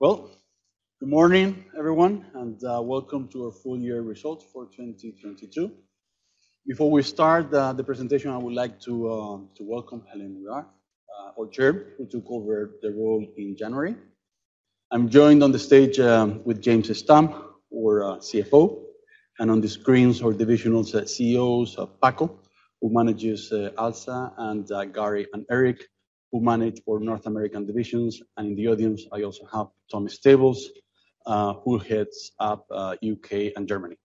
Good morning everyone, welcome to our Full Year Results for 2022. Before we start the presentation, I would like to welcome Helen Weir, our Chair, who took over the role in January. I'm joined on the stage with James Stamp, our CFO, and on the screens our divisional CEOs, Paco, who manages ALSA, Gary and Eric, who manage our North American divisions. In the audience I also have Tom Stables, who heads up U..K. and Germany.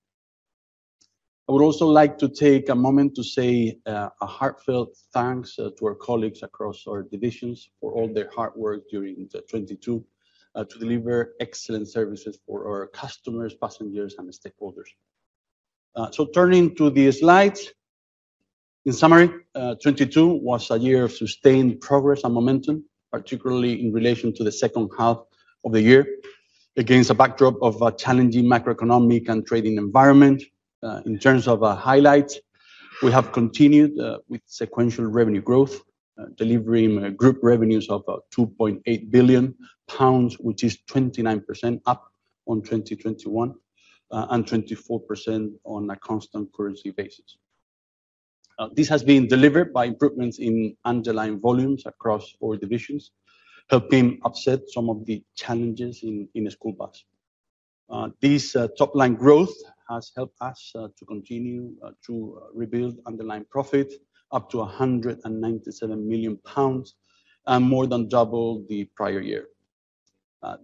I would also like to take a moment to say a heartfelt thanks to our colleagues across our divisions for all their hard work during 2022 to deliver excellent services for our customers, passengers and stakeholders. Turning to the slides. In summary, 2022 was a year of sustained progress and momentum, particularly in relation to the H2 of the year, against a backdrop of a challenging macroeconomic and trading environment. In terms of our highlights, we have continued with sequential revenue growth, delivering group revenues of 2.8 billion pounds, which is 29% up on 2021, and 24% on a constant currency basis. This has been delivered by improvements in underlying volumes across four divisions, helping offset some of the challenges in the school bus. This top-line growth has helped us to continue to rebuild underlying profit up to 197 million pounds and more than double the prior year.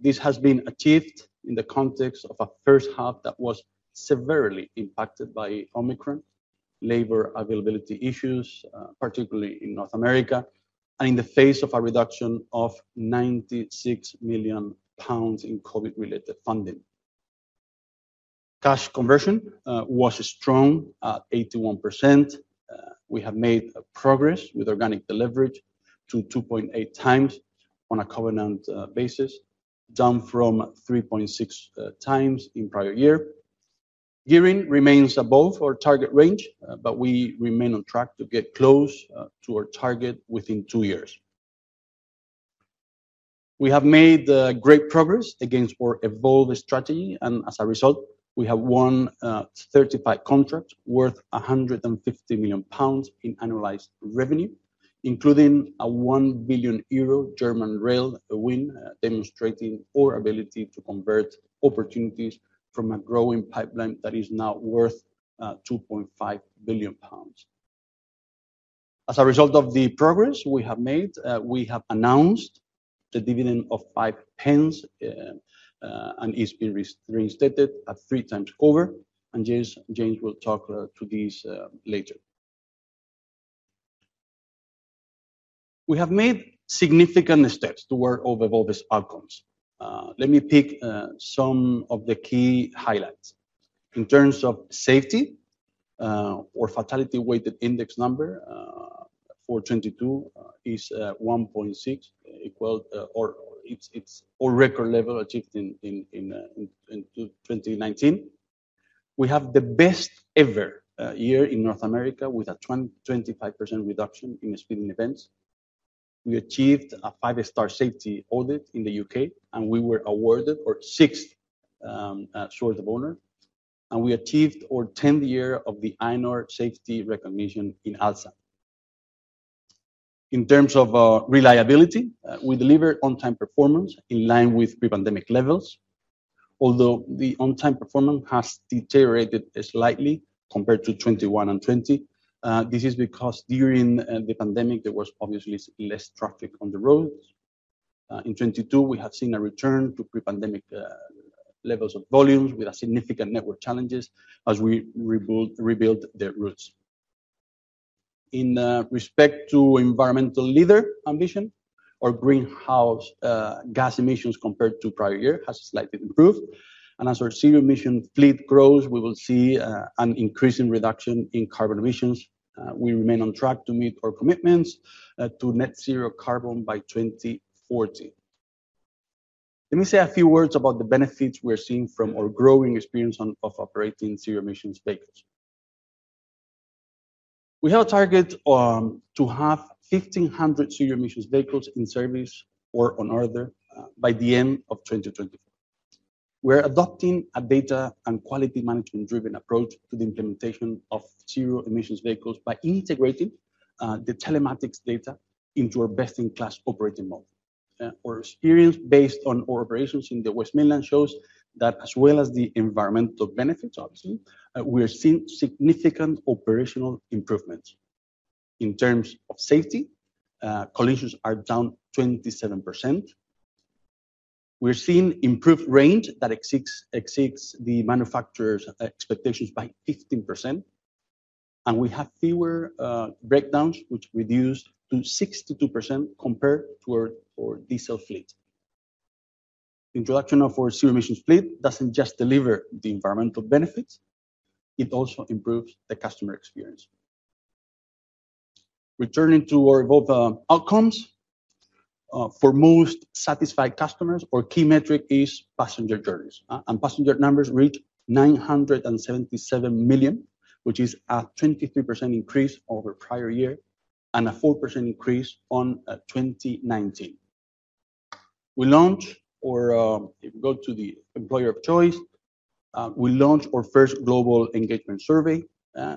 This has been achieved in the context of a H1 that was severely impacted by Omicron, labor availability issues, particularly in North America, and in the face of a reduction of 96 million pounds in COVID-related funding. Cash conversion was strong at 81%. We have made progress with organic leverage to 2.8x on a covenant basis, down from 3.6x in prior year. Gearing remains above our target range, but we remain on track to get close to our target within two years. We have made great progress against our Evolve strategy and as a result we have won 35 contracts worth 150 million pounds in annualized revenue, including a 1 billion euro German rail win, demonstrating our ability to convert opportunities from a growing pipeline that is now worth 2.5 billion pounds. As a result of the progress we have made, we have announced the dividend of 5 pence, and it's been reinstated at 3x cover. James will talk to this later. We have made significant steps toward our Evolve outcomes. Let me pick some of the key highlights. In terms of safety, our Fatality Weighted Index number for 2022 is 1.6 or it's our record level achieved in 2019. We have the best ever year in North America with a 25% reduction in speeding events. We achieved a 5-star safety audit in the U.K., and we were awarded our sixth Sword of Honour, and we achieved our tenth year of the AENOR safety recognition in ALSA. In terms of reliability, we delivered on-time performance in line with pre-pandemic levels. Although the on-time performance has deteriorated slightly compared to 2021 and 2020. This is because during the pandemic, there was obviously less traffic on the roads. In 2022, we have seen a return to pre-pandemic levels of volumes with a significant network challenges as we rebuild the routes. In respect to environmental leader ambition, our greenhouse gas emissions compared to prior year has slightly improved. As our zero-emission fleet grows, we will see an increasing reduction in carbon emissions. We remain on track to meet our commitments to net zero carbon by 2040. Let me say a few words about the benefits we're seeing from our growing experience of operating zero-emissions vehicles. We have a target to have 1,500 zero-emissions vehicles in service or on order by the end of 2024. We're adopting a data and quality management-driven approach to the implementation of zero-emissions vehicles by integrating the telematics data into our best-in-class operating model. Our experience based on our operations in the West Midlands shows that as well as the environmental benefits, obviously, we are seeing significant operational improvements. In terms of safety, collisions are down 27%. We're seeing improved range that exceeds the manufacturer's expectations by 15%. We have fewer breakdowns, which reduced to 62% compared to our diesel fleet. Introduction of our zero-emissions fleet doesn't just deliver the environmental benefits, it also improves the customer experience. Returning to our Evolve out-outcomes. For most satisfied customers, our key metric is passenger journeys. Passenger numbers reached 977 million, which is a 23% increase over prior year. A 4% increase on 2019. If we go to the employer of choice, we launched our first global engagement survey,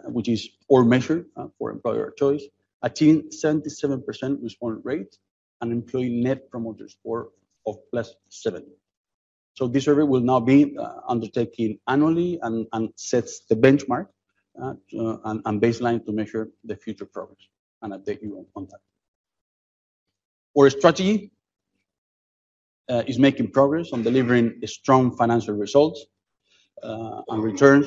which is core measure for employer of choice, achieved 77% respondent rate and employee Net Promoter Score of +70. This survey will now be undertaken annually and sets the benchmark and baseline to measure the future progress. I'll take you on that. Our strategy is making progress on delivering strong financial results and returns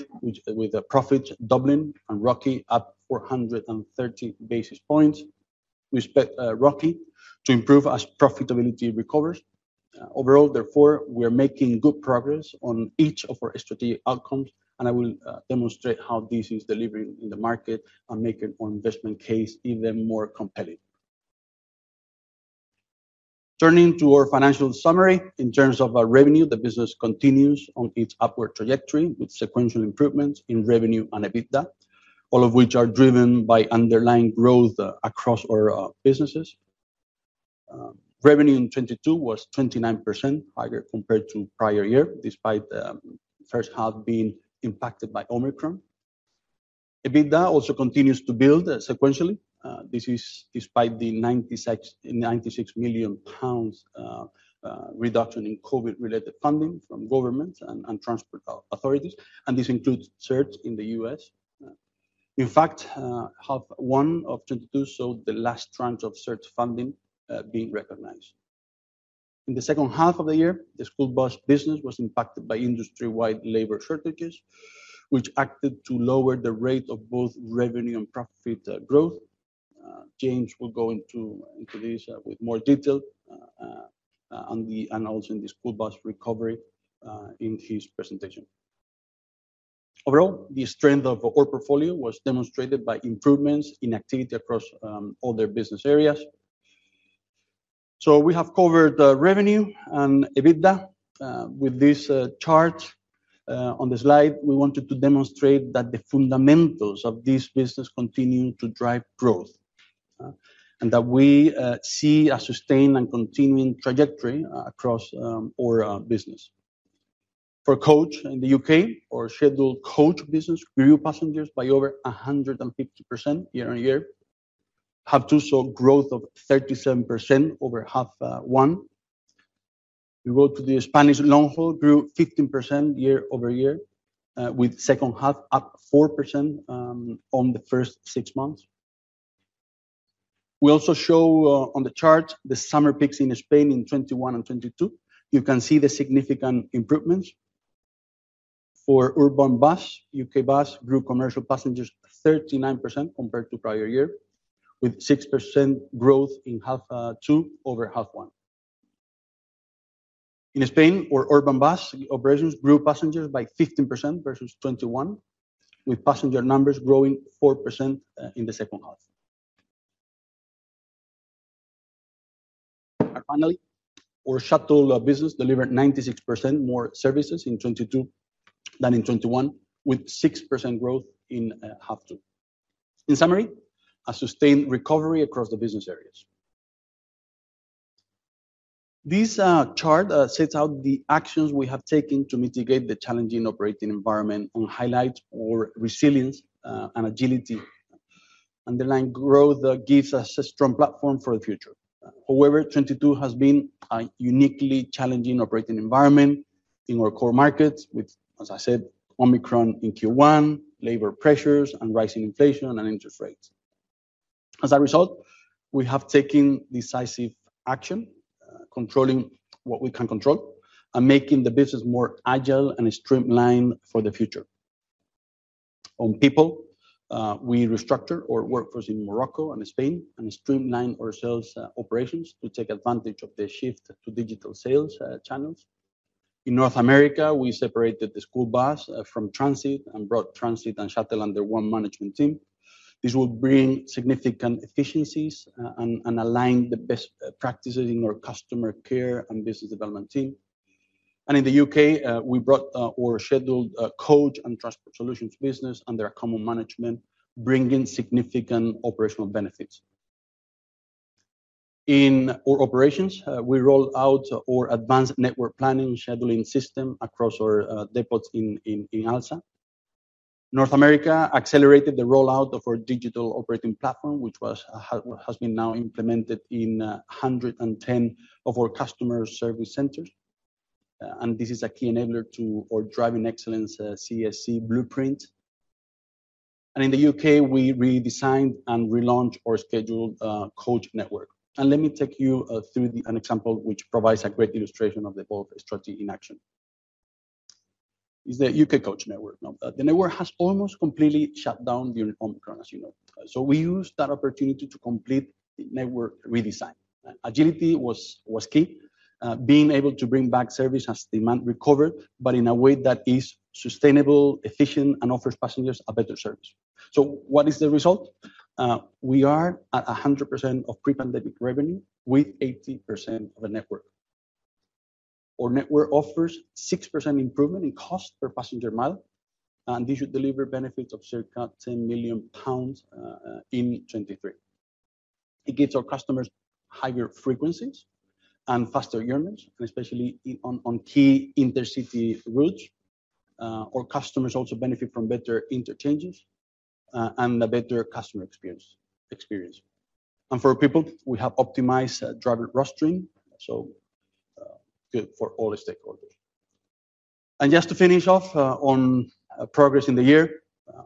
with a profit doubling and ROCE up 430 basis points. We expect ROCE to improve as profitability recovers. Overall, therefore, we're making good progress on each of our strategic outcomes, and I will demonstrate how this is delivering in the market and making our investment case even more competitive. Turning to our financial summary. In terms of our revenue, the business continues on its upward trajectory with sequential improvements in revenue and EBITDA, all of which are driven by underlying growth across our businesses. Revenue in 2022 was 29% higher compared to prior year, despite the H1 being impacted by Omicron. EBITDA also continues to build sequentially. This is despite the 96 million pounds reduction in COVID-related funding from government and transport authorities, and this includes CERTS in the U.S. In fact, H1 of 2022 saw the last tranche of CERTS funding being recognized. In the H2 of the year, the school bus business was impacted by industry-wide labor shortages, which acted to lower the rate of both revenue and profit growth. James will go into this with more detail and also in the school bus recovery in his presentation. Overall, the strength of our portfolio was demonstrated by improvements in activity across other business areas. We have covered revenue and EBITDA with this chart on the slide. We wanted to demonstrate that the fundamentals of this business continue to drive growth and that we see a sustained and continuing trajectory across our business. For coach in the U.K., our scheduled coach business grew passengers by over 150% year-over-year. Half two saw growth of 37% over H1. We go to the Spanish long-haul, grew 15% year-over-year with H2 up 4% on the first six months. We also show on the chart the summer peaks in Spain in 2021 and 2022. You can see the significant improvements. For urban bus, UK Bus grew commercial passengers 39% compared to prior year, with 6% growth in H2 over H1. In Spain, our urban bus operations grew passengers by 15% versus 2021, with passenger numbers growing 4% in the H2. Finally, our shuttle business delivered 96% more services in 2022 than in 2021, with 6% growth in H2. In summary, a sustained recovery across the business areas. This chart sets out the actions we have taken to mitigate the challenging operating environment and highlight our resilience and agility. Underlying growth gives us a strong platform for the future. 2022 has been a uniquely challenging operating environment in our core markets with, as I said, Omicron in Q1, labor pressures and rising inflation and interest rates. We have taken decisive action, controlling what we can control and making the business more agile and streamlined for the future. On people, we restructured our workforce in Morocco and Spain and streamlined our sales operations to take advantage of the shift to digital sales channels. In North America, we separated the school bus from transit and brought transit and shuttle under one management team. This will bring significant efficiencies and align the best practices in our customer care and business development team. In the U.K., we brought our scheduled coach and Transport Solutions business under a common management, bringing significant operational benefits. In our operations, we rolled out our advanced network planning scheduling system across our depots in ALSA. North America accelerated the rollout of our digital operating platform, which has been now implemented in 110 of our customer service centers. This is a key enabler to our Driving Excellence CSE Blueprint. In the U.K., we redesigned and relaunched our scheduled coach network. Let me take you through an example which provides a great illustration of the above strategy in action. It's the U.K. coach network. The network has almost completely shut down during Omicron, as you know. We used that opportunity to complete the network redesign. Agility was key, being able to bring back service as demand recovered, but in a way that is sustainable, efficient, and offers passengers a better service. What is the result? We are at 100% of pre-pandemic revenue with 80% of the network. Our network offers 6% improvement in cost per passenger mile, and this should deliver benefits of circa 10 million pounds in 2023. It gives our customers higher frequencies and faster journeys, especially on key intercity routes. Our customers also benefit from better interchanges, and a better customer experience. For our people, we have optimized driver rostering, good for all the stakeholders. Just to finish off, on progress in the year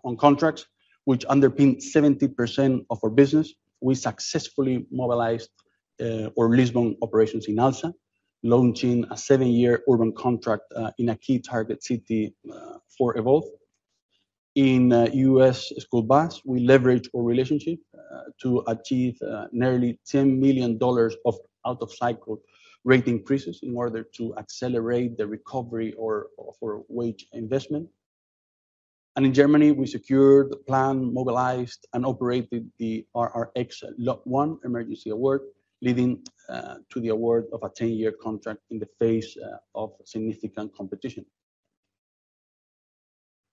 on contracts, which underpin 70% of our business, we successfully mobilized our Lisbon operations in ALSA, launching a 7-year urban contract in a key target city for Evolve. In US School Bus, we leveraged our relationship to achieve nearly $10 million of out of cycle rate increases in order to accelerate the recovery for wage investment. In Germany, we secured, planned, mobilized, and operated the RRX Lot 1 emergency award, leading to the award of a 10-year contract in the face of significant competition.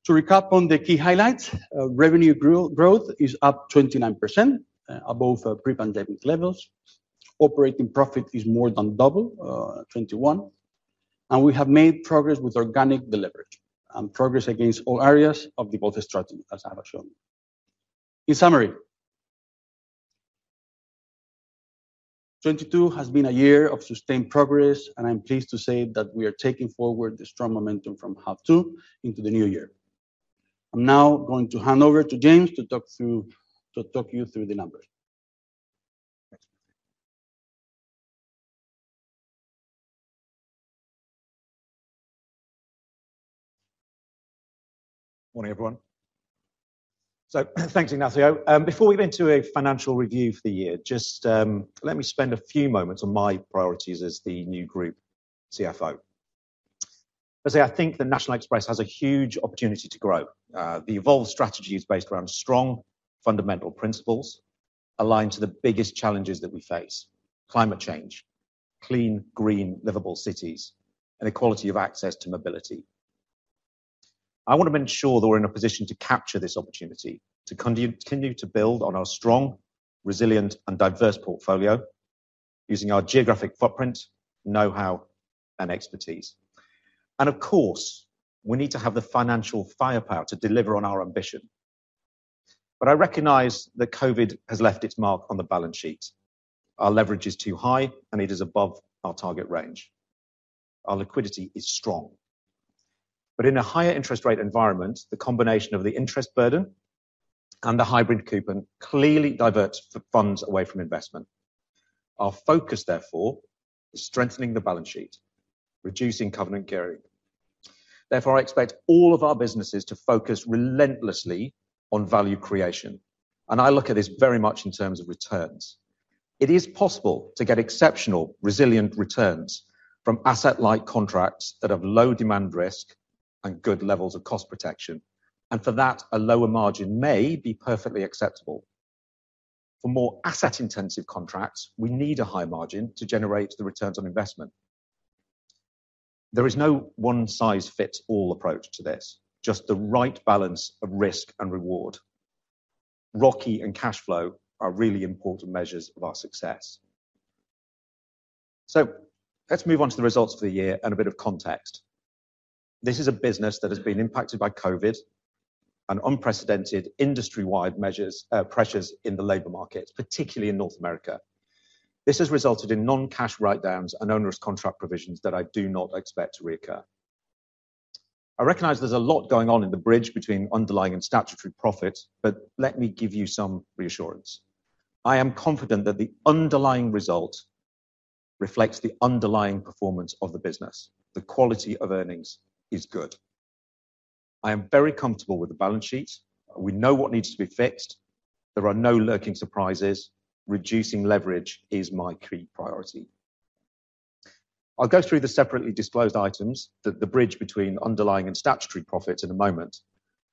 To recap on the key highlights, revenue growth is up 29% above pre-pandemic levels. Operating profit is more than double 2021. We have made progress with organic delivery and progress against all areas of the Evolve strategy, as I have shown. In summary, 2022 has been a year of sustained progress, and I'm pleased to say that we are taking forward the strong momentum from H2 into the new year. I'm now going to hand over to James to talk you through the numbers. Thanks. Morning, everyone. Thanks, Ignacio. Before we get into a financial review for the year, just let me spend a few moments on my priorities as the new group CFO. I think the National Express has a huge opportunity to grow. The Evolve strategy is based around strong fundamental principles aligned to the biggest challenges that we face: climate change, clean, green, livable cities, and equality of access to mobility. I want to ensure that we're in a position to capture this opportunity to continue to build on our strong, resilient, and diverse portfolio using our geographic footprint, know-how, and expertise. Of course, we need to have the financial firepower to deliver on our ambition. I recognize that COVID has left its mark on the balance sheet. Our leverage is too high, and it is above our target range. Our liquidity is strong. In a higher interest rate environment, the combination of the interest burden and the hybrid coupon clearly diverts funds away from investment. Our focus, therefore, is strengthening the balance sheet, reducing covenant gearing. I expect all of our businesses to focus relentlessly on value creation, and I look at this very much in terms of returns. It is possible to get exceptional, resilient returns from asset-light contracts that have low demand risk and good levels of cost protection. For that, a lower margin may be perfectly acceptable. For more asset-intensive contracts, we need a high margin to generate the returns on investment. There is no one-size-fits-all approach to this, just the right balance of risk and reward. ROCE and cash flow are really important measures of our success. Let's move on to the results for the year and a bit of context. This is a business that has been impacted by COVID and unprecedented industry-wide measures, pressures in the labor markets, particularly in North America. This has resulted in non-cash write-downs and onerous contract provisions that I do not expect to reoccur. I recognize there's a lot going on in the bridge between underlying and statutory profit, let me give you some reassurance. I am confident that the underlying result reflects the underlying performance of the business. The quality of earnings is good. I am very comfortable with the balance sheet. We know what needs to be fixed. There are no lurking surprises. Reducing leverage is my key priority. I'll go through the separately disclosed items that the bridge between underlying and statutory profits in a moment.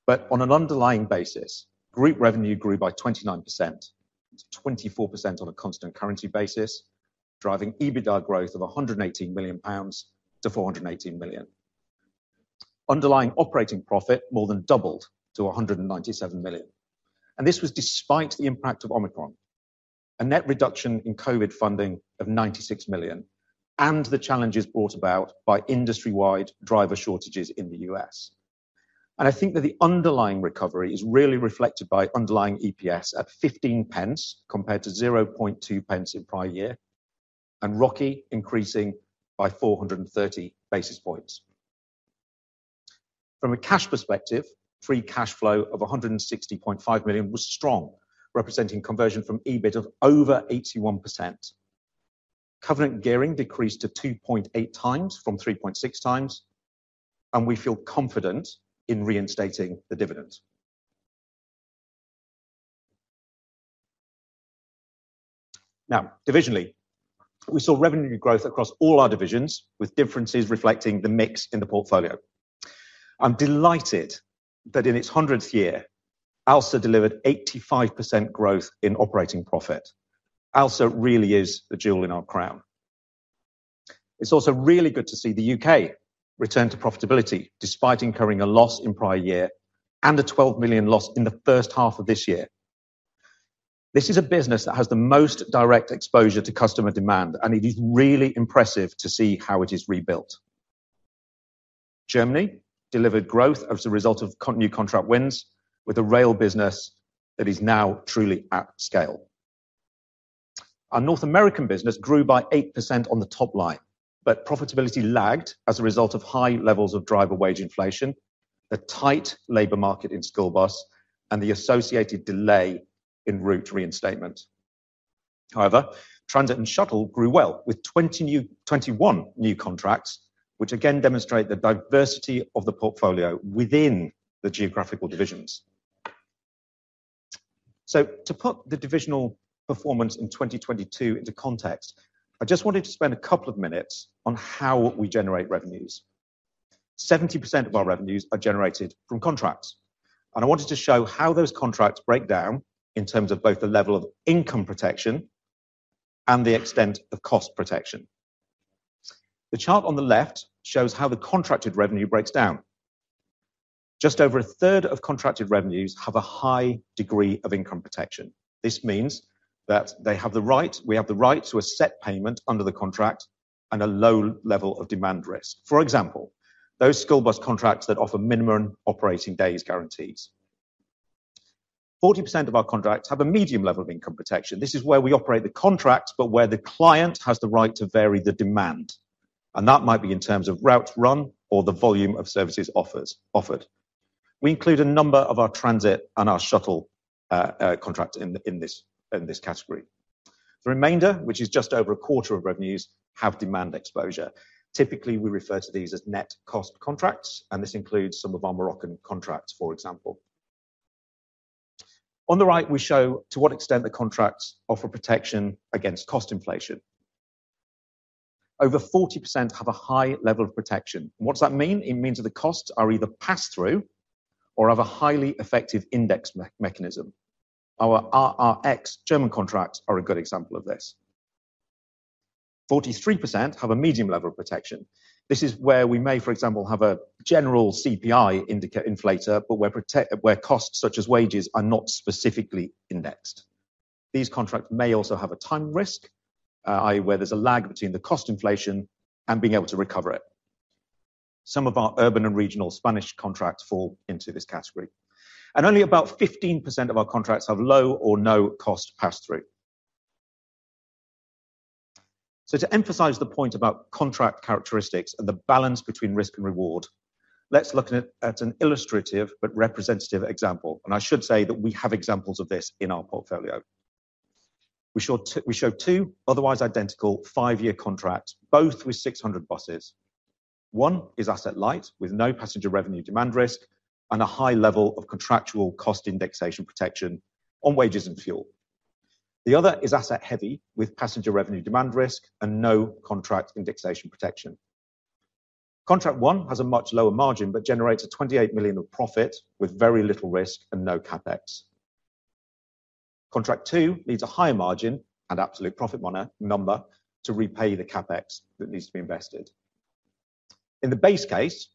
On an underlying basis, group revenue grew by 29%, to 24% on a constant currency basis, driving EBITDA growth of 118 million pounds to 418 million. Underlying operating profit more than doubled to 197 million. This was despite the impact of Omicron, a net reduction in COVID funding of 96 million, and the challenges brought about by industry-wide driver shortages in the U.S. I think that the underlying recovery is really reflected by underlying EPS at 0.15 compared to 0.002 in prior year, and ROCE increasing by 430 basis points. From a cash perspective, free cash flow of 160.5 million was strong, representing conversion from EBIT of over 81%. Covenant gearing decreased to 2.8x from 3.6x, and we feel confident in reinstating the dividend. Divisionally, we saw revenue growth across all our divisions, with differences reflecting the mix in the portfolio. I'm delighted that in its 100th year, ALSA delivered 85% growth in operating profit. ALSA really is the jewel in our crown. It's also really good to see the U.K. return to profitability despite incurring a loss in prior year and a 12 million loss in the H1 of this year. This is a business that has the most direct exposure to customer demand, and it is really impressive to see how it is rebuilt. Germany delivered growth as a result of new contract wins with a rail business that is now truly at scale. Our North American business grew by 8% on the top line, but profitability lagged as a result of high levels of driver wage inflation, the tight labor market in school bus, and the associated delay in route reinstatement. However, transit and shuttle grew well with 21 new contracts, which again demonstrate the diversity of the portfolio within the geographical divisions. To put the divisional performance in 2022 into context, I just wanted to spend a couple of minutes on how we generate revenues. 70% of our revenues are generated from contracts. I wanted to show how those contracts break down in terms of both the level of income protection and the extent of cost protection. The chart on the left shows how the contracted revenue breaks down. Just over a third of contracted revenues have a high degree of income protection. This means that we have the right to a set payment under the contract and a low level of demand risk. For example, those school bus contracts that offer minimum operating days guarantees. 40% of our contracts have a medium level of income protection. This is where we operate the contracts, but where the client has the right to vary the demand. That might be in terms of routes run or the volume of services offered. We include a number of our transit and our shuttle contracts in this category. The remainder, which is just over a quarter of revenues, have demand exposure. Typically, we refer to these as net cost contracts. This includes some of our Moroccan contracts, for example. On the right, we show to what extent the contracts offer protection against cost inflation. Over 40% have a high level of protection. What does that mean? It means that the costs are either passed through or have a highly effective index mechanism. Our RRX German contracts are a good example of this. 43% have a medium level of protection. This is where we may, for example, have a general CPI inflator, but where costs such as wages are not specifically indexed. These contracts may also have a time risk, i.e., where there's a lag between the cost inflation and being able to recover it. Some of our urban and regional Spanish contracts fall into this category. Only about 15% of our contracts have low or no cost pass-through. To emphasize the point about contract characteristics and the balance between risk and reward, let's look at an illustrative but representative example. I should say that we have examples of this in our portfolio. We show two otherwise identical 5-year contracts, both with 600 buses. One is asset light with no passenger revenue demand risk and a high level of contractual cost indexation protection on wages and fuel. The other is asset heavy with passenger revenue demand risk and no contract indexation protection. Contract one has a much lower margin but generates 28 million of profit with very little risk and no CapEx. Contract two needs a higher margin and absolute profit number to repay the CapEx that needs to be invested. In the base case,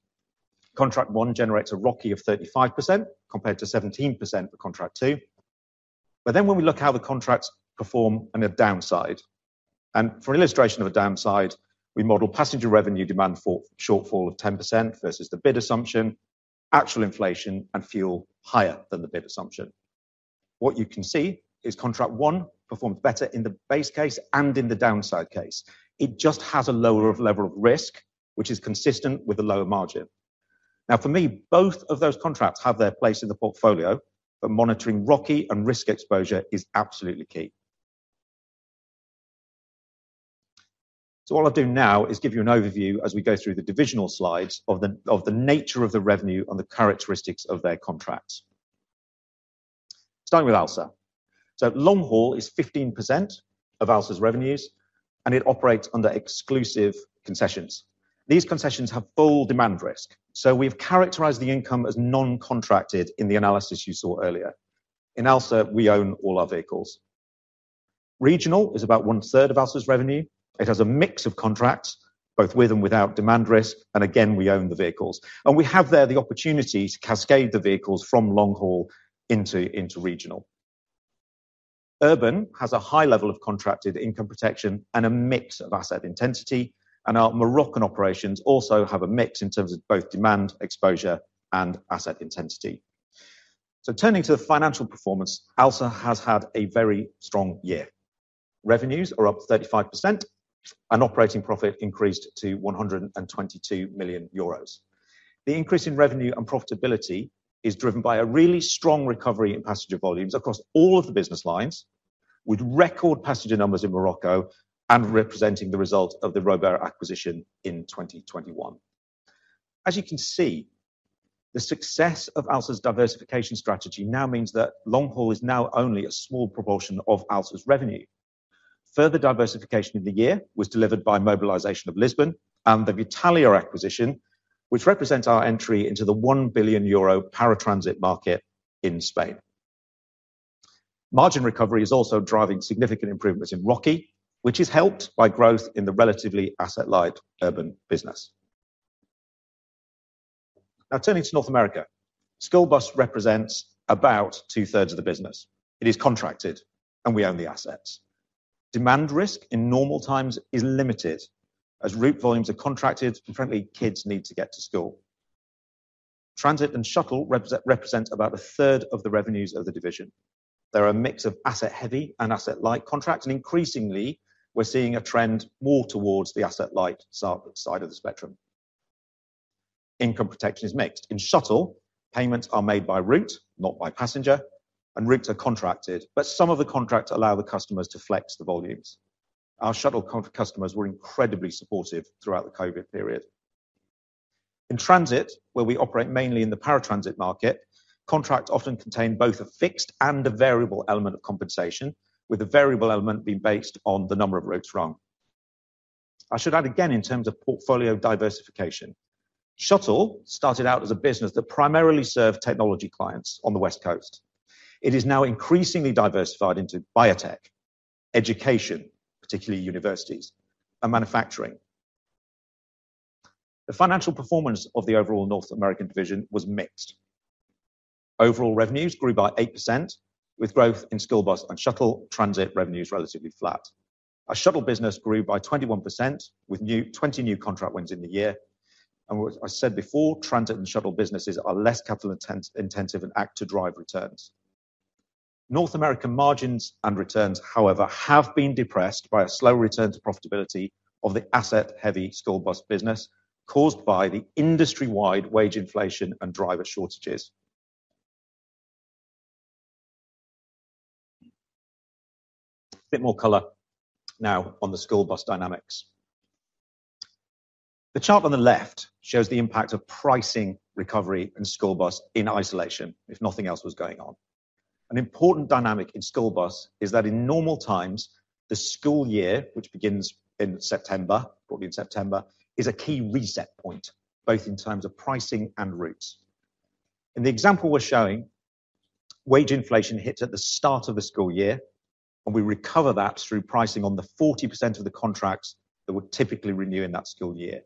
contract one generates a ROCE of 35% compared to 17% for contract two. When we look how the contracts perform on a downside, and for an illustration of a downside, we model passenger revenue demand for shortfall of 10% versus the bid assumption, actual inflation and fuel higher than the bid assumption. What you can see is contract one performs better in the base case and in the downside case. It just has a lower level of risk, which is consistent with a lower margin. For me, both of those contracts have their place in the portfolio, but monitoring ROCE and risk exposure is absolutely key. What I'll do now is give you an overview as we go through the divisional slides of the nature of the revenue and the characteristics of their contracts. Starting with ALSA. Long haul is 15% of ALSA's revenues, and it operates under exclusive concessions. These concessions have full demand risk. We've characterized the income as non-contracted in the analysis you saw earlier. In ALSA, we own all our vehicles. Regional is about one third of ALSA's revenue. It has a mix of contracts, both with and without demand risk, again, we own the vehicles. We have there the opportunity to cascade the vehicles from long haul into regional. Urban has a high level of contracted income protection and a mix of asset intensity. Our Moroccan operations also have a mix in terms of both demand exposure and asset intensity. Turning to the financial performance, ALSA has had a very strong year. Revenues are up 35%. Operating profit increased to 122 million euros. The increase in revenue and profitability is driven by a really strong recovery in passenger volumes across all of the business lines with record passenger numbers in Morocco and representing the result of the Rober acquisition in 2021. As you can see, the success of ALSA's diversification strategy now means that long haul is now only a small proportion of ALSA's revenue. Further diversification in the year was delivered by mobilization of Lisbon and the Vitalia acquisition, which represents our entry into the 1 billion euro paratransit market in Spain. Margin recovery is also driving significant improvements in ROCE, which is helped by growth in the relatively asset-light urban business. Turning to North America. School Bus represents about two-thirds of the business. It is contracted, and we own the assets. Demand risk in normal times is limited as route volumes are contracted, and frankly, kids need to get to school. Transit and Shuttle represent about a third of the revenues of the division. They're a mix of asset-heavy and asset-light contracts, and increasingly we're seeing a trend more towards the asset-light side of the spectrum. Income protection is mixed. In Shuttle, payments are made by route, not by passenger, and routes are contracted. Some of the contracts allow the customers to flex the volumes. Our Shuttle customers were incredibly supportive throughout the COVID period. In Transit, where we operate mainly in the paratransit market, contracts often contain both a fixed and a variable element of compensation, with the variable element being based on the number of routes run. I should add again in terms of portfolio diversification. Shuttle started out as a business that primarily served technology clients on the West Coast. It is now increasingly diversified into biotech, education, particularly universities, and manufacturing. The financial performance of the overall North American division was mixed. Overall revenues grew by 8%, with growth in School Bus and Shuttle. Transit revenues relatively flat. Our Shuttle business grew by 21% with 20 new contract wins in the year. What I said before, Transit and Shuttle businesses are less capital intensive and act to drive returns. North American margins and returns, however, have been depressed by a slow return to profitability of the asset-heavy School Bus business caused by the industry-wide wage inflation and driver shortages. A bit more color now on the School Bus dynamics. The chart on the left shows the impact of pricing recovery in School Bus in isolation if nothing else was going on. An important dynamic in School Bus is that in normal times, the school year which begins in September, probably in September, is a key reset point both in terms of pricing and routes. In the example we're showing, wage inflation hits at the start of the school year. We recover that through pricing on the 40% of the contracts that would typically renew in that school year.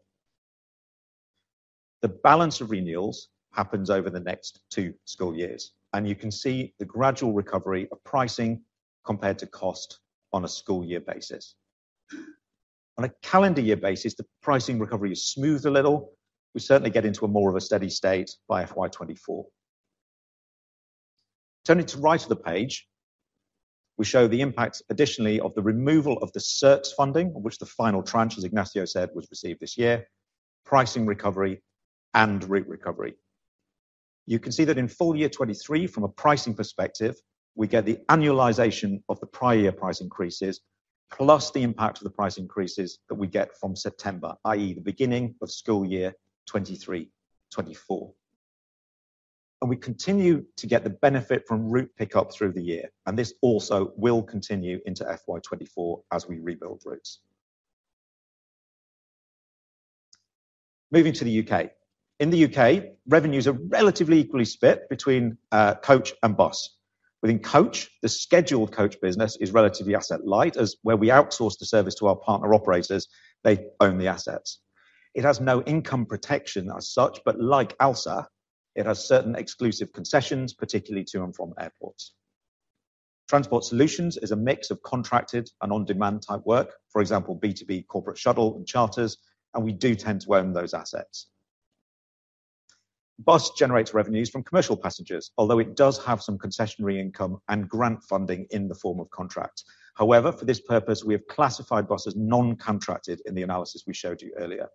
The balance of renewals happens over the next two school years. You can see the gradual recovery of pricing compared to cost on a school year basis. On a calendar year basis, the pricing recovery is smooth a little. We certainly get into a more of a steady state by FY 2024. Turning to right of the page, we show the impact additionally of the removal of the CERTS funding, of which the final tranche, as Ignacio said, was received this year, pricing recovery and route recovery. You can see that in Full Year 2023, from a pricing perspective, we get the annualization of the prior price increases, plus the impact of the price increases that we get from September, i.e., the beginning of school year 2023/2024. We continue to get the benefit from route pickup through the year, and this also will continue into FY 2024 as we rebuild routes. Moving to the U.K. In the U.K., revenues are relatively equally split between Coach and Bus. Within Coach, the scheduled coach business is relatively asset light. As where we outsource the service to our partner operators, they own the assets. It has no income protection as such. Like ALSA, it has certain exclusive concessions, particularly to and from airports. Transport Solutions is a mix of contracted and on-demand type work, for example, B2B corporate shuttle and charters, and we do tend to own those assets. Bus generates revenues from commercial passengers, although it does have some concessionary income and grant funding in the form of contracts. However, for this purpose, we have classified Bus as non-contracted in the analysis we showed you earlier.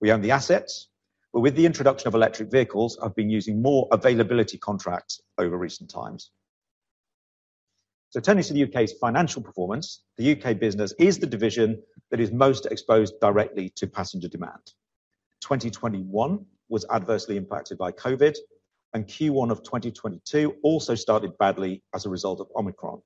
We own the assets, but with the introduction of electric vehicles, have been using more availability contracts over recent times. Turning to the U.K.'s financial performance. The U.K. business is the division that is most exposed directly to passenger demand. 2021 was adversely impacted by COVID, and Q1 of 2022 also started badly as a result of Omicron.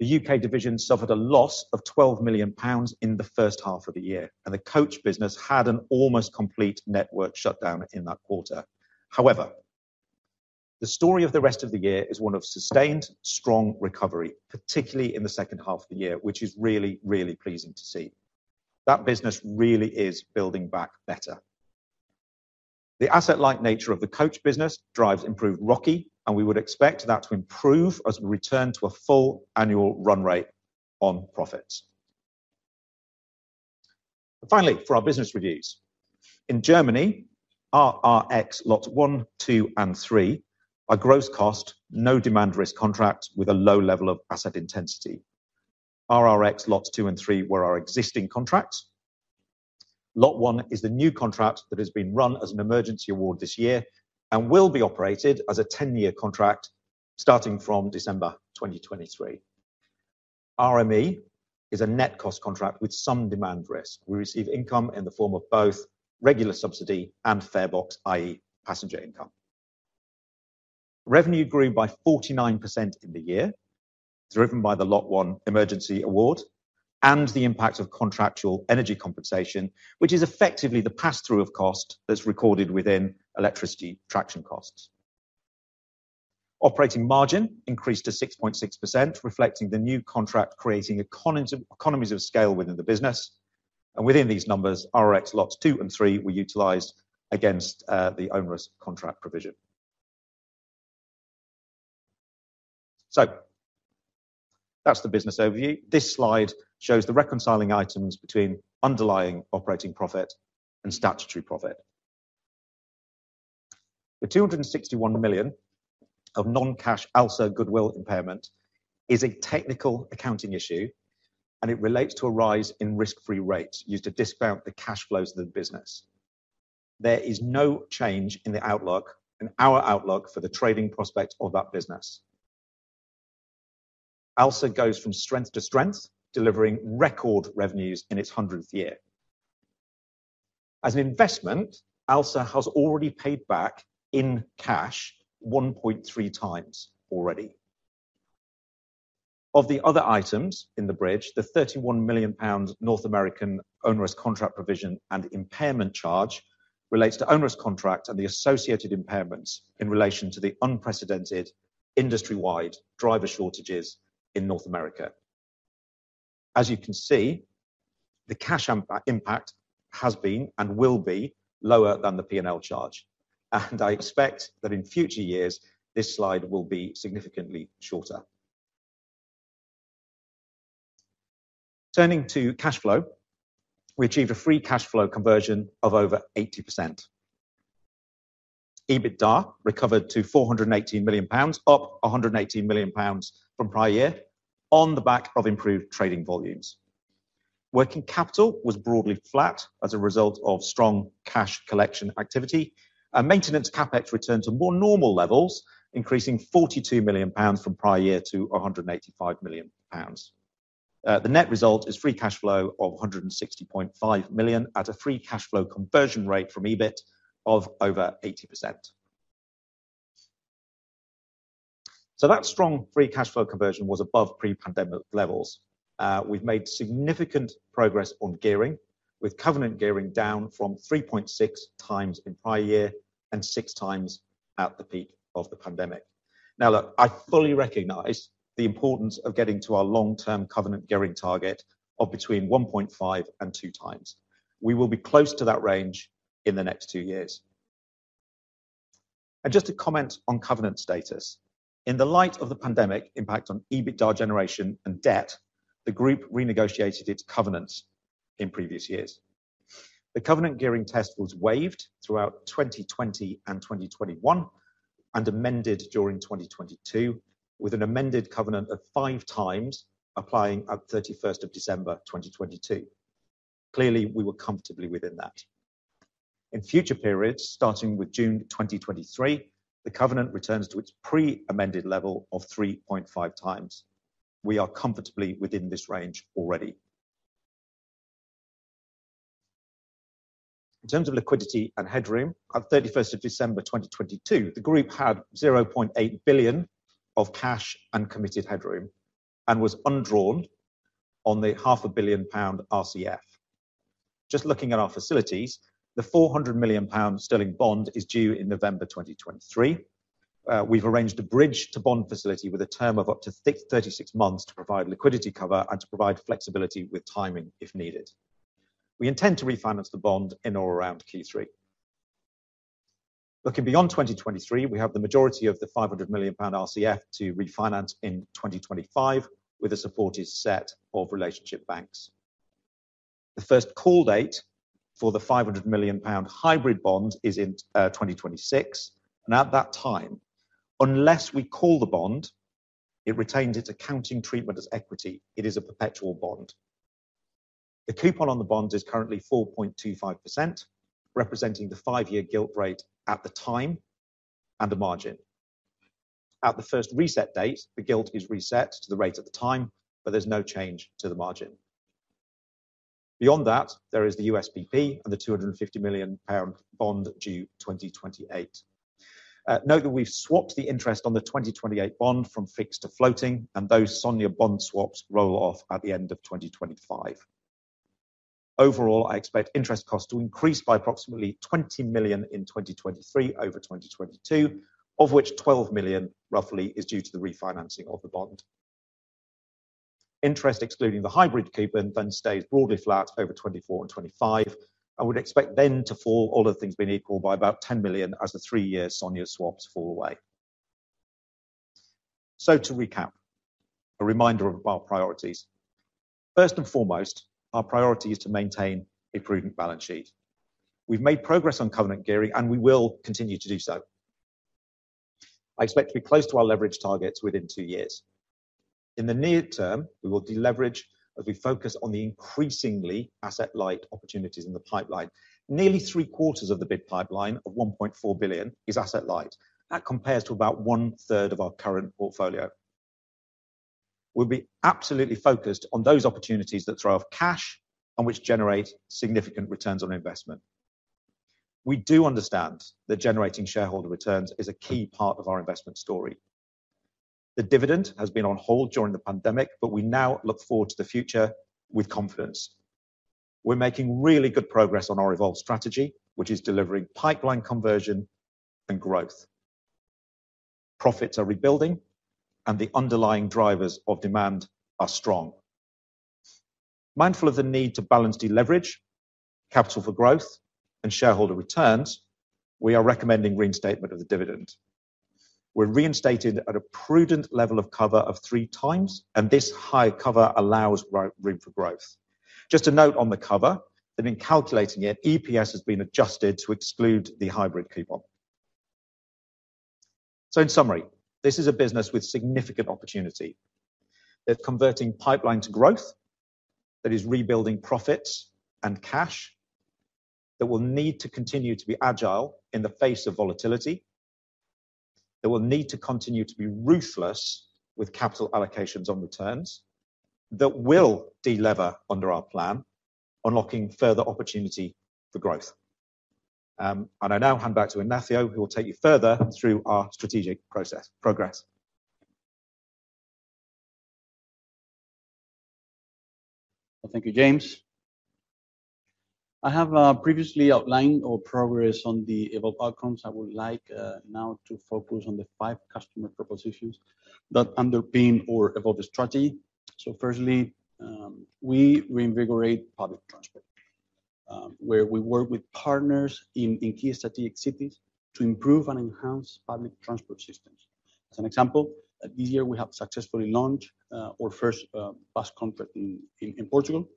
The U.K. division suffered a loss of 12 million pounds in the H1 of the year, and the Coach business had an almost complete network shutdown in that quarter. However, the story of the rest of the year is one of sustained strong recovery, particularly in the H2 of the year, which is really pleasing to see. That business really is building back better. The asset-light nature of the Coach business drives improved ROCE, and we would expect that to improve as we return to a full annual run rate on profits. Finally, for our business reviews. In Germany, RRX Lots 1, 2, and 3 are gross cost, no demand risk contracts with a low level of asset intensity. RRX Lots 2 and 3 were our existing contracts. Lot 1 is the new contract that has been run as an emergency award this year and will be operated as a 10-year contract starting from December 2023. RME is a net cost contract with some demand risk. We receive income in the form of both regular subsidy and fare box, i.e., passenger income. Revenue grew by 49% in the year, driven by the Lot 1 emergency award and the impact of contractual energy compensation, which is effectively the pass-through of cost that's recorded within electricity traction costs. Operating margin increased to 6.6%, reflecting the new contract, creating economies of scale within the business. Within these numbers, RRX Lots 2 and 3 were utilized against the onerous contract provision. That's the business overview. This slide shows the reconciling items between underlying operating profit and statutory profit. The 261 million of non-cash ALSA goodwill impairment is a technical accounting issue. It relates to a rise in risk-free rates used to discount the cash flows of the business. There is no change in the outlook, in our outlook for the trading prospects of that business. ALSA goes from strength to strength, delivering record revenues in its hundredth year. As an investment, ALSA has already paid back in cash 1.3x already. Of the other items in the bridge, the 31 million pound North American onerous contract provision and impairment charge relates to onerous contract and the associated impairments in relation to the unprecedented industry-wide driver shortages in North America. As you can see, the cash impact has been and will be lower than the P&L charge. I expect that in future years, this slide will be significantly shorter. Turning to cash flow, we achieved a free cash flow conversion of over 80%. EBITDA recovered to 418 million pounds, up 118 million pounds from prior year on the back of improved trading volumes. Working capital was broadly flat as a result of strong cash collection activity. Maintenance CapEx returned to more normal levels, increasing 42 million pounds from prior year to 185 million pounds. The net result is free cash flow of 160.5 million at a free cash flow conversion rate from EBIT of over 80%. That strong free cash flow conversion was above pre-pandemic levels. We've made significant progress on gearing, with covenant gearing down from 3.6x in prior year and 6x at the peak of the pandemic. Now, look, I fully recognize the importance of getting to our long-term covenant gearing target of between 1.5x and 2x. We will be close to that range in the next 2 years. Just to comment on covenant status. In the light of the pandemic impact on EBITDA generation and debt, the group renegotiated its covenants in previous years. The covenant gearing test was waived throughout 2020 and 2021 and amended during 2022, with an amended covenant of 5x applying at 31st of December 2022. Clearly, we were comfortably within that. In future periods, starting with June 2023, the covenant returns to its pre-amended level of 3.5x. We are comfortably within this range already. In terms of liquidity and headroom, at 31st of December 2022, the group had 0.8 billion of cash and committed headroom and was undrawn on the half a billion GBP RCF. Just looking at our facilities, the 400 million pound bond is due in November 2023. We've arranged a bridge to bond facility with a term of up to 36 months to provide liquidity cover and to provide flexibility with timing if needed. We intend to refinance the bond in or around Q3. Looking beyond 2023, we have the majority of the 500 million pound RCF to refinance in 2025 with a supported set of relationship banks. The first call date for the 500 million pound hybrid bond is in 2026. At that time, unless we call the bond, it retains its accounting treatment as equity. It is a perpetual bond. The coupon on the bond is currently 4.25%, representing the 5-year gilt rate at the time and the margin. At the first reset date, the gilt is reset to the rate at the time, there's no change to the margin. Beyond that, there is the USPP and the 250 million pound bond due 2028. Note that we've swapped the interest on the 2028 bond from fixed to floating, and those SONIA bond swaps roll off at the end of 2025. Overall, I expect interest costs to increase by approximately 20 million in 2023 over 2022, of which 12 million roughly is due to the refinancing of the bond. Interest excluding the hybrid coupon stays broadly flat over 2024 and 2025. I would expect then to fall, all other things being equal, by about 10 million as the 3-year SONIA swaps fall away. To recap, a reminder of our priorities. First and foremost, our priority is to maintain a prudent balance sheet. We've made progress on covenant gearing, and we will continue to do so. I expect to be close to our leverage targets within 2 years. In the near term, we will deleverage as we focus on the increasingly asset light opportunities in the pipeline. Nearly 3/4 of the bid pipeline of 1.4 billion is asset light. That compares to about 1/3 of our current portfolio. We'll be absolutely focused on those opportunities that throw off cash and which generate significant returns on investment. We do understand that generating shareholder returns is a key part of our investment story. The dividend has been on hold during the pandemic, but we now look forward to the future with confidence. We're making really good progress on our Evolve strategy, which is delivering pipeline conversion and growth. Profits are rebuilding, and the underlying drivers of demand are strong. Mindful of the need to balance deleverage, capital for growth, and shareholder returns, we are recommending reinstatement of the dividend. We're reinstated at a prudent level of cover of 3x, and this high cover allows room for growth. Just a note on the cover that in calculating it, EPS has been adjusted to exclude the hybrid coupon. In summary, this is a business with significant opportunity. They're converting pipeline to growth that is rebuilding profits and cash that will need to continue to be agile in the face of volatility. That will need to continue to be ruthless with capital allocations on returns. That will delever under our plan, unlocking further opportunity for growth. I now hand back to Ignacio, who will take you further through our strategic progress. Thank you, James. I have previously outlined our progress on the Evolve outcomes. I would like now to focus on the five customer propositions that underpin our Evolve strategy. Firstly, we reinvigorate public transport, where we work with partners in key strategic cities to improve and enhance public transport systems. As an example, this year, we have successfully launched our first bus contract in Portugal.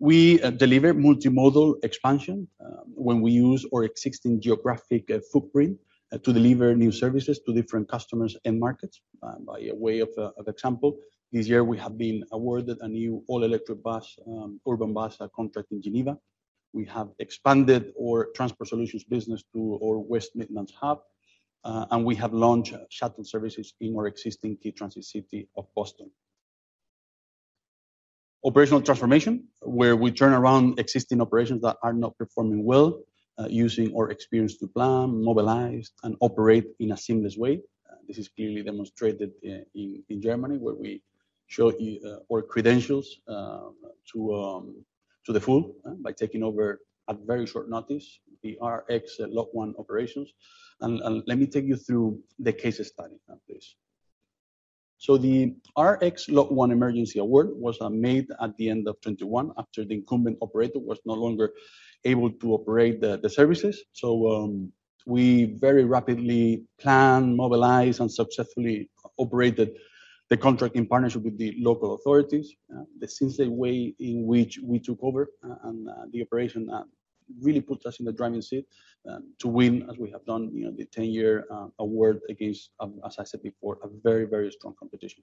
We deliver multimodal expansion when we use our existing geographic footprint to deliver new services to different customers and markets. By way of example, this year we have been awarded a new all-electric bus, urban bus contract in Geneva. We have expanded our Transport Solutions business to our West Midlands hub, and we have launched shuttle services in our existing key transit city of Boston. Operational transformation, where we turn around existing operations that are not performing well, using our experience to plan, mobilize, and operate in a seamless way. This is clearly demonstrated in Germany, where we show our credentials to the full by taking over at very short notice, the RRX Lot 1 operations. Let me take you through the case study of this. The RRX Lot 1 emergency award was made at the end of 2021 after the incumbent operator was no longer able to operate the services. We very rapidly planned, mobilized, and successfully operated the contract in partnership with the local authorities. The seamless way in which we took over and the operation really put us in the driving seat to win, as we have done, you know, the 10-year award against, as I said before, a very, very strong competition.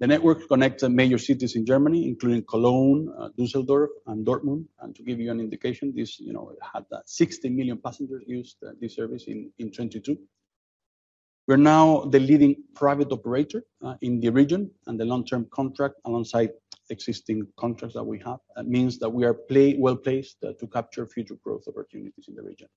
The network connects major cities in Germany, including Cologne, Dusseldorf and Dortmund. To give you an indication, this, you know, had 60 million passengers use this service in 2022. We're now the leading private operator in the region and the long-term contract alongside existing contracts that we have. That means that we are well-placed to capture future growth opportunities in the region.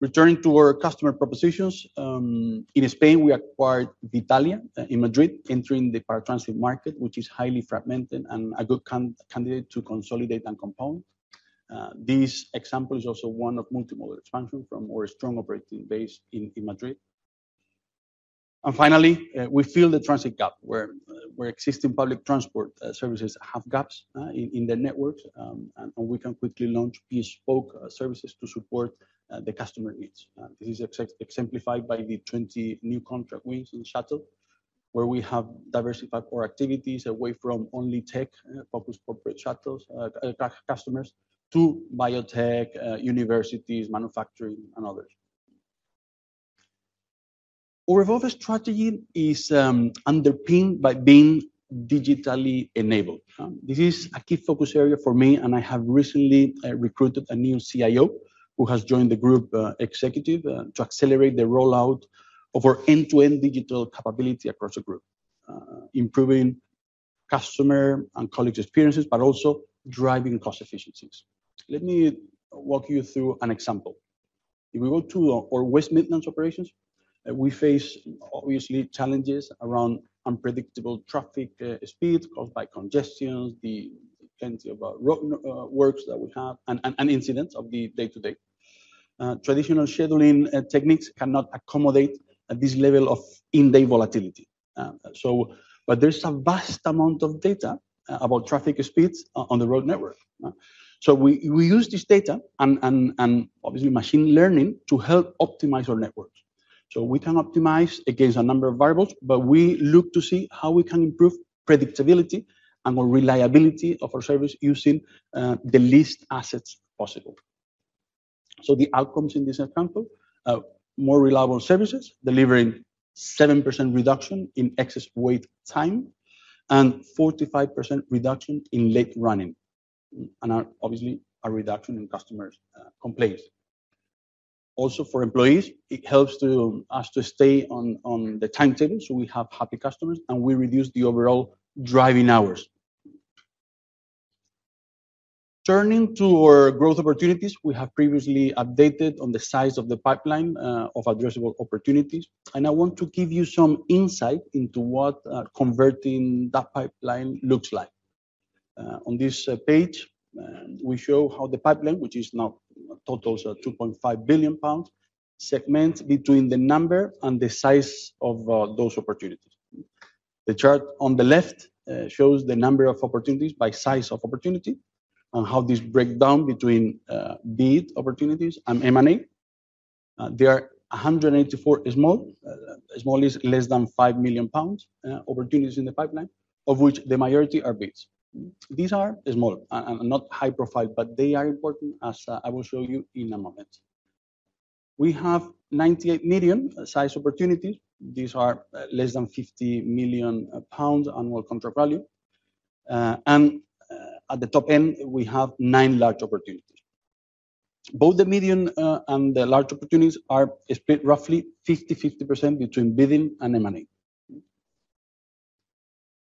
Returning to our customer propositions, in Spain, we acquired Vitalia in Madrid, entering the paratransit market, which is highly fragmented and a good candidate to consolidate and compound. This example is also one of multimodal expansion from our strong operating base in Madrid. Finally, we fill the transit gap where existing public transport services have gaps in their networks. We can quickly launch bespoke services to support the customer needs. This is exemplified by the 20 new contract wins in shuttle, where we have diversified our activities away from only tech focused corporate shuttles customers to biotech universities, manufacturing and others. Our Evolve strategy is underpinned by being digitally enabled. This is a key focus area for me. I have recently recruited a new CIO who has joined the group executive to accelerate the rollout of our end-to-end digital capability across the group, improving customer and colleagues experiences, but also driving cost efficiencies. Let me walk you through an example. If we go to our West Midlands operations, we face obviously challenges around unpredictable traffic speeds caused by congestions, the plenty of road works that we have and incidents of the day-to-day. Traditional scheduling techniques cannot accommodate this level of in-day volatility. There's a vast amount of data about traffic speeds on the road network. We use this data and obviously machine learning to help optimize our networks. We can optimize against a number of variables, but we look to see how we can improve predictability and reliability of our service using the least assets possible. The outcomes in this example are more reliable services, delivering 7% reduction in excess wait time and 45% reduction in late running. Obviously a reduction in customers' complaints. Also for employees, it helps us to stay on the timetable, so we have happy customers, and we reduce the overall driving hours. Turning to our growth opportunities, we have previously updated on the size of the pipeline of addressable opportunities. I want to give you some insight into what converting that pipeline looks like. On this page, we show how the pipeline, which now totals 2.5 billion pounds, segments between the number and the size of those opportunities. The chart on the left shows the number of opportunities by size of opportunity and how these break down between bid opportunities and M&A. There are 184 small is less than 5 million pounds, opportunities in the pipeline, of which the majority are bids. These are small and not high profile, but they are important, as I will show you in a moment. We have 98 medium size opportunities. These are less than 50 million pounds annual contract value. At the top end, we have nine large opportunities. Both the medium and the large opportunities are split roughly 50/50% between bidding and M&A.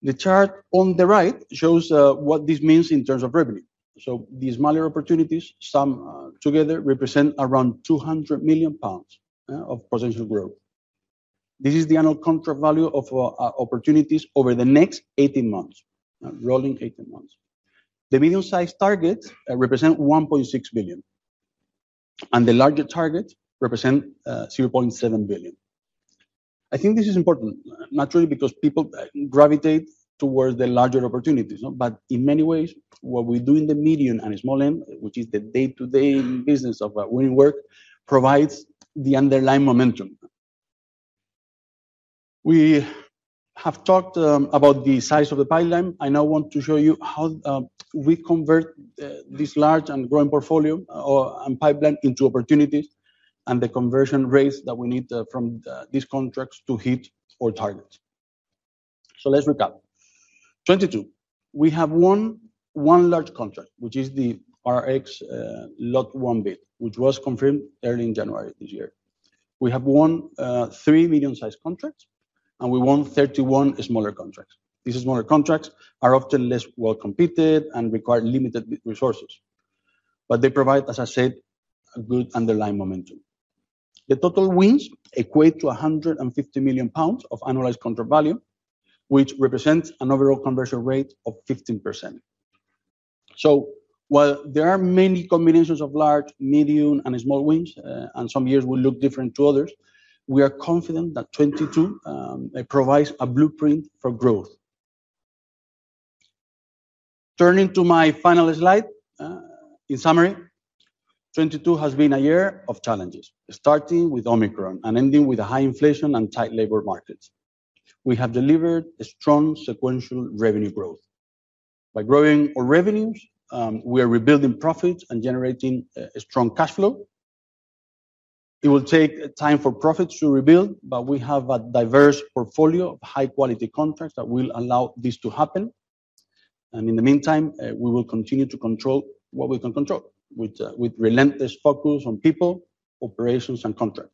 The chart on the right shows what this means in terms of revenue. These smaller opportunities sum together represent around 200 million pounds of potential growth. This is the annual contract value of opportunities over the next 18 months. Rolling 18 months. The medium sized targets represent 1.6 billion, and the larger targets represent 0.7 billion. I think this is important naturally, because people gravitate towards the larger opportunities. In many ways, what we do in the medium and small end, which is the day-to-day business of winning work, provides the underlying momentum. We have talked about the size of the pipeline. I now want to show you how we convert this large and growing portfolio or, and pipeline into opportunities and the conversion rates that we need from these contracts to hit our targets. Let's recap. 2022, we have won 1 large contract, which is the RRX Lot 1 bid, which was confirmed early in January this year. We have won 3 medium-sized contracts and we won 31 smaller contracts. These smaller contracts are often less well-competed and require limited resources, but they provide, as I said, a good underlying momentum. The total wins equate to 150 million pounds of annualized contract value, which represents an overall conversion rate of 15%. While there are many combinations of large, medium and small wins, and some years will look different to others, we are confident that 2022 provides a blueprint for growth. Turning to my final slide. In summary, 2022 has been a year of challenges, starting with Omicron and ending with a high inflation and tight labor markets. We have delivered a strong sequential revenue growth. By growing our revenues, we are rebuilding profits and generating a strong cash flow. It will take time for profits to rebuild, but we have a diverse portfolio of high quality contracts that will allow this to happen. In the meantime, we will continue to control what we can control with relentless focus on people, operations and contracts.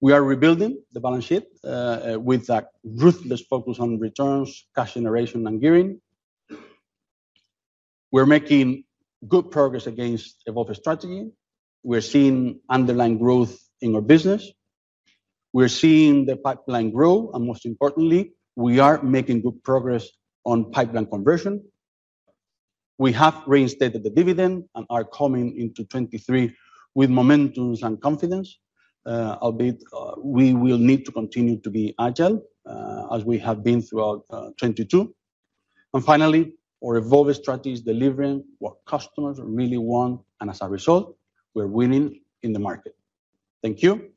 We are rebuilding the balance sheet with a ruthless focus on returns, cash generation and gearing. We're making good progress against Evolve strategy. We're seeing underlying growth in our business. We're seeing the pipeline grow, and most importantly, we are making good progress on pipeline conversion. We have reinstated the dividend and are coming into 2023 with momentums and confidence. Albeit, we will need to continue to be agile, as we have been throughout 2022. Finally, our Evolve strategy is delivering what customers really want, and as a result, we're winning in the market. Thank you.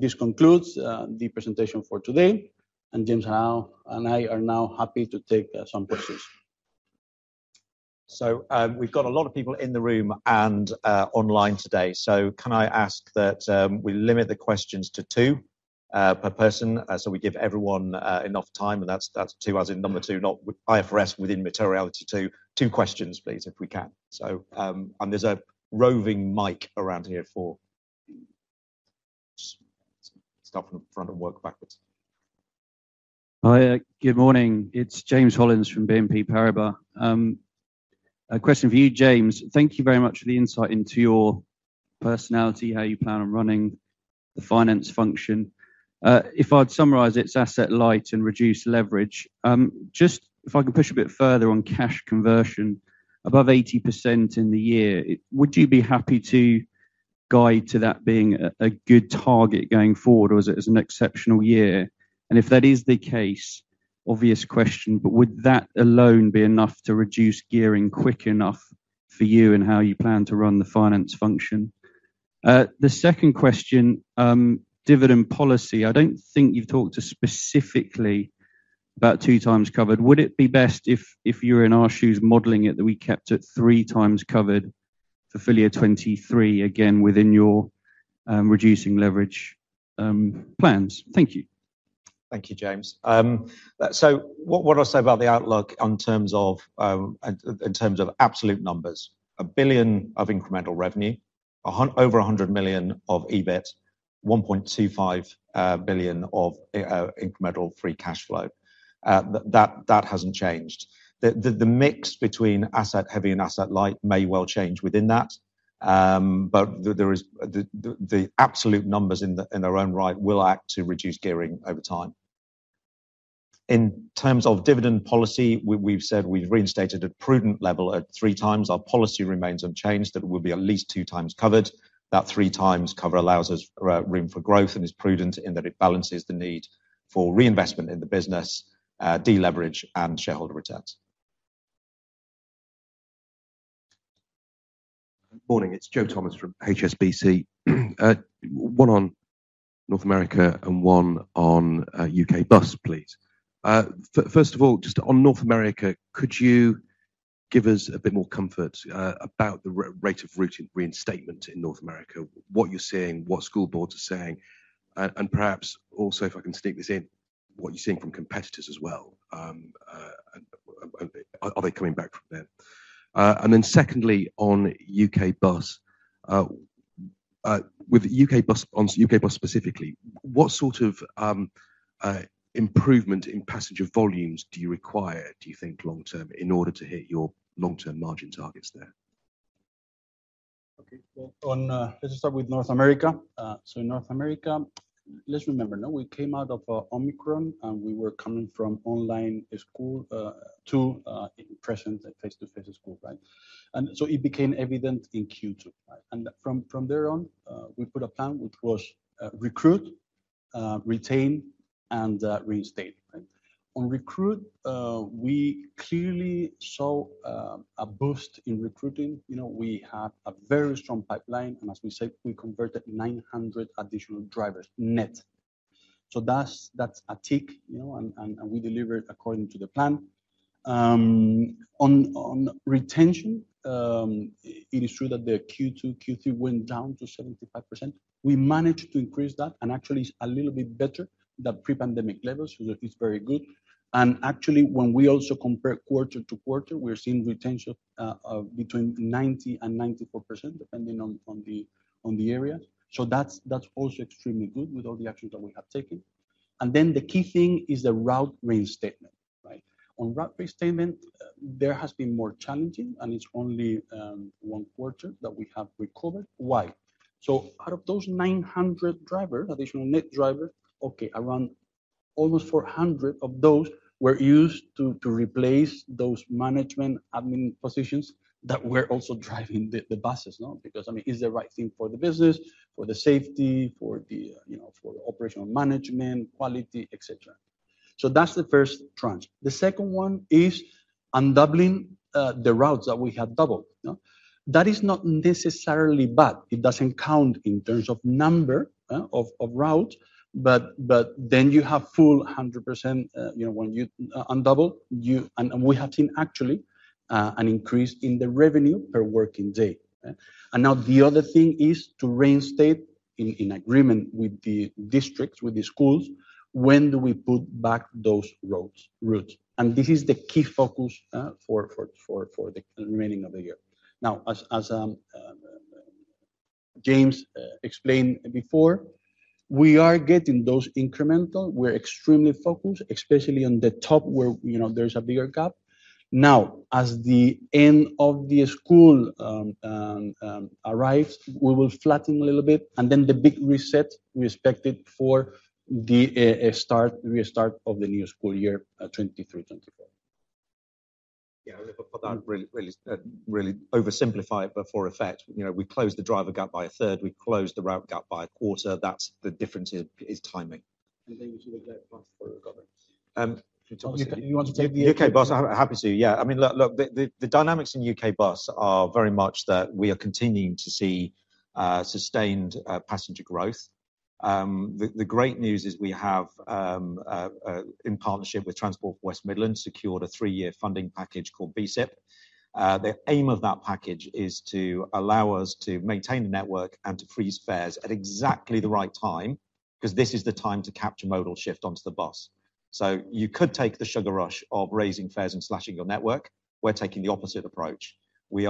This concludes the presentation for today. James Stamp and I are now happy to take some questions. We've got a lot of people in the room and online today. Can I ask that we limit the questions to two per person, so we give everyone enough time, and that's two as in number two, not IFRS within materiality two. Two questions please, if we can. There's a roving mic around here for... Start from the front and work backwards. Hi, good morning. It's James Hollins from BNP Paribas. A question for you, James. Thank you very much for the insight into your personality, how you plan on running the finance function. If I'd summarize it's asset light and reduce leverage. Just if I can push a bit further on cash conversion above 80% in the year, would you be happy to guide to that being a good target going forward or is it as an exceptional year? If that is the case, obvious question, but would that alone be enough to reduce gearing quick enough for you and how you plan to run the finance function? The second question, dividend policy. I don't think you've talked specifically 2x covered. Would it be best if you're in our shoes modeling it, that we kept it 3x covered for Full Year 2023, again, within your reducing leverage plans? Thank you. Thank you, James. What I say about the outlook on terms of absolute numbers. 1 billion of incremental revenue, over 100 million of EBIT. 1.25 billion of incremental free cash flow. That hasn't changed. The mix between asset heavy and asset light may well change within that. The absolute numbers in their own right will act to reduce gearing over time. In terms of dividend policy, we've said we've reinstated a prudent at 3x. Our policy remains unchanged. That will be at least 2x covered. That 3x cover allows us room for growth and is prudent in that it balances the need for reinvestment in the business, de-leverage and shareholder returns. Morning, it's Joe Thomas from HSBC. One on North America and one on UK bus, please. First of all, just on North America, could you give us a bit more comfort about the rate of route reinstatement in North America? What you're seeing, what school boards are saying, and perhaps also, if I can sneak this in, what you're seeing from competitors as well, and are they coming back from there? Then secondly, on UK bus. On UK bus specifically, what improvement in passenger volumes do you require, do you think long term, in order to hit your long-term margin targets there? Okay. Well, on... Let's start with North America. So in North America, let's remember, no? We came out of Omicron, and we were coming from online school, to in present face-to-face school, right? So it became evident in Q2, right? From there on, we put a plan which was, recruit, retain and reinstate, right? On recruit, we clearly saw a boost in recruiting. You know, we had a very strong pipeline, and as we said, we converted 900 additional drivers net. So that's a tick, you know, and we delivered according to the plan. On retention, it is true that the Q2, Q3 went down to 75%. We managed to increase that and actually is a little bit better than pre-pandemic levels, so that is very good. Actually, when we also compare quarter to quarter, we're seeing retention between 90% and 94%, depending on the areas. That's also extremely good with all the actions that we have taken. Then the key thing is the route reinstatement, right? On route reinstatement, there has been more challenging, and it's only 1 quarter that we have recovered. Why? Out of those 900 drivers, additional net drivers, okay, around almost 400 of those were used to replace those management admin positions that were also driving the buses, no? Because, I mean, it's the right thing for the business, for the safety, for the, you know, for the operational management, quality, et cetera. That's the first tranche. The second one is undoubling the routes that we had doubled, no? That is not necessarily bad. It doesn't count in terms of number of routes, but then you have full hundred percent, you know, when you undouble, you. We have seen actually an increase in the revenue per working day, yeah? Now the other thing is to reinstate in agreement with the districts, with the schools, when do we put back those routes? This is the key focus for the remaining of the year. Now, as James explained before, we are getting those incremental. We're extremely focused, especially on the top where, you know, there's a bigger gap. As the end of the school arrives, we will flatten a little bit and then the big reset we expected for the start, restart of the new school year, 2023, 2024. Yeah. For that, really oversimplify it for effect, you know, we close the driver gap by a third, we close the route gap by a quarter. The difference is timing. We should get back bus for the government. Um, you talk- You want to take the UK bus? UK bus? I'm happy to, yeah. I mean, look, the dynamics in UK bus are very much that we are continuing to see sustained passenger growth. The great news is we have in partnership with Transport for West Midlands, secured a 3-year funding package called BSIP. The aim of that package is to allow us to maintain the network and to freeze fares at exactly the right time, 'cause this is the time to capture modal shift onto the bus. You could take the sugar rush of raising fares and slashing your network. We're taking the opposite approach. We're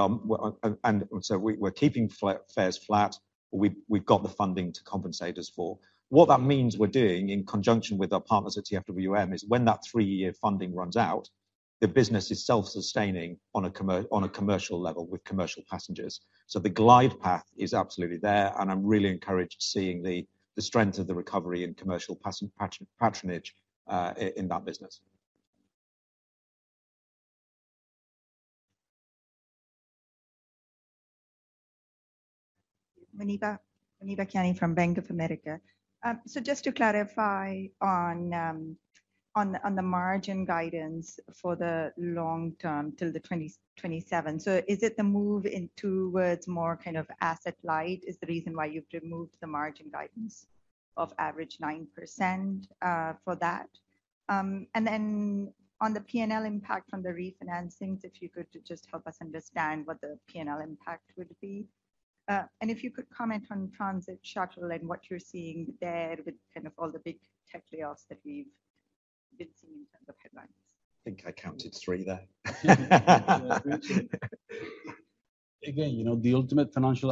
keeping fares flat. We've got the funding to compensate us for. What that means we're doing in conjunction with our partners at TfWM is when that three-year funding runs out, the business is self-sustaining on a commercial level with commercial passengers. The glide path is absolutely there, and I'm really encouraged seeing the strength of the recovery in commercial patronage, in that business. Muneeba Kayani from Bank of America. Just to clarify on the margin guidance for the long term till 2027. Is it the move in towards more asset light is the reason why you've removed the margin guidance of average 9% for that? On the P&L impact from the refinancings, if you could just help us understand what the P&L impact would be? If you could comment on transit shuttle and what you're seeing there with all the big tech layoffs that we've been seeing in terms of headlines. I think I counted three there. you know,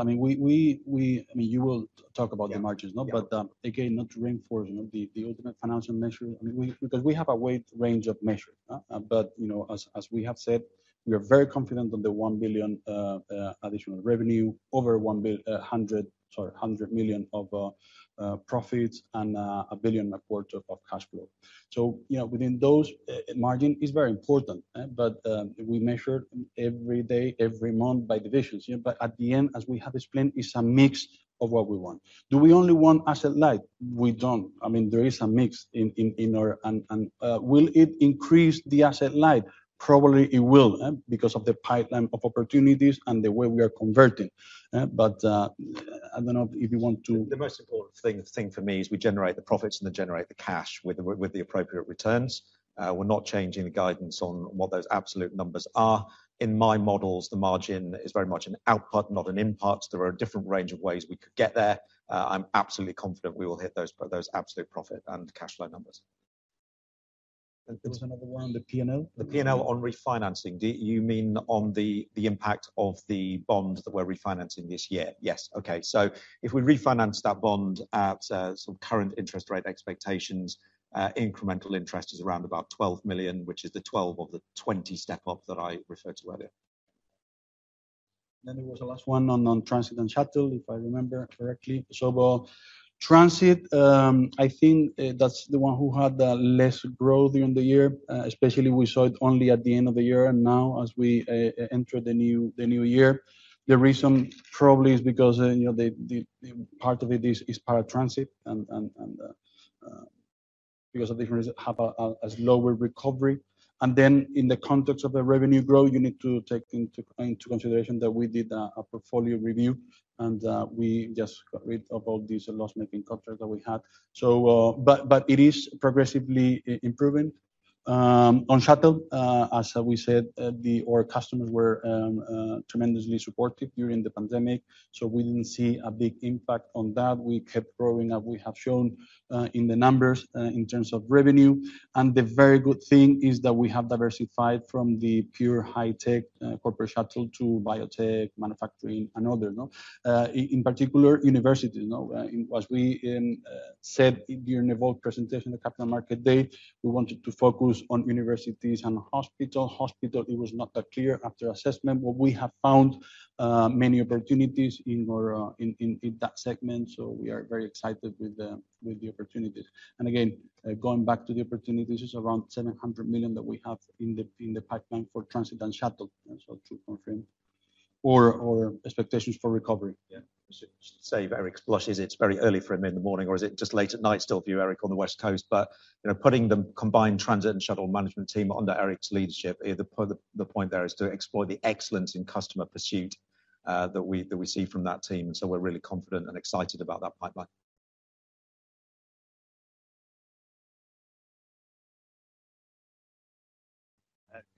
I mean, we... I mean, you will talk about the margins. Yeah. No? Again, not to reinforce, you know, the ultimate financial measure. I mean, because we have a wide range of measures. You know, as we have said, we are very confident on the 1 billion additional revenue, over 100 million of profits and a 1.25 billion of cash flow. You know, within those, margin is very important, but we measure every day, every month by divisions, you know. At the end, as we have explained, it's a mix of what we want. Do we only want asset light? We don't. I mean, there is a mix in our... Will it increase the asset light? Probably it will because of the pipeline of opportunities and the way we are converting. I don't know if you want to. The most important thing for me is we generate the profits and then generate the cash with the appropriate returns. We're not changing the guidance on what those absolute numbers are. In my models, the margin is very much an output, not an input. There are a different range of ways we could get there. I'm absolutely confident we will hit those absolute profit and cash flow numbers. There was another one, the P&L. The P&L on refinancing. Do you mean on the impact of the bond that we're refinancing this year? Yes. Okay. If we refinance that bond at some current interest rate expectations, incremental interest is around about 12 million, which is the 12 of the 20 step-up that I referred to earlier. Then there was the last one on transit and shuttle, if I remember correctly. Transit, I think, that's the one who had the less growth during the year. Especially we saw it only at the end of the year and now as we enter the new year. The reason probably is because, you know, the part of it is paratransit and because of the reasons have a lower recovery. In the context of the revenue growth, you need to take into consideration that we did a portfolio review, and we just got rid of all these loss-making contracts that we had, but it is progressively improving. On shuttle, as we said, our customers were tremendously supportive during the pandemic, so we didn't see a big impact on that. We kept growing, and we have shown in the numbers in terms of revenue. The very good thing is that we have diversified from the pure high tech corporate shuttle to biotech, manufacturing and other, no? In particular, universities, you know. As we said during the board presentation at Capital Market Day, we wanted to focus on universities and hospital. Hospital, it was not that clear after assessment, but we have found many opportunities in our in that segment, so we are very excited with the opportunities. Again, going back to the opportunities, it's around 700 million that we have in the pipeline for transit and shuttle. To confirm. Expectations for recovery. Yeah. Should say of Eric's blush is it's very early for him in the morning or is it just late at night still for you, Eric, on the West Coast? You know, putting the combined transit and shuttle management team under Eric's leadership, the point there is to explore the excellence in customer pursuit that we see from that team. We're really confident and excited about that pipeline.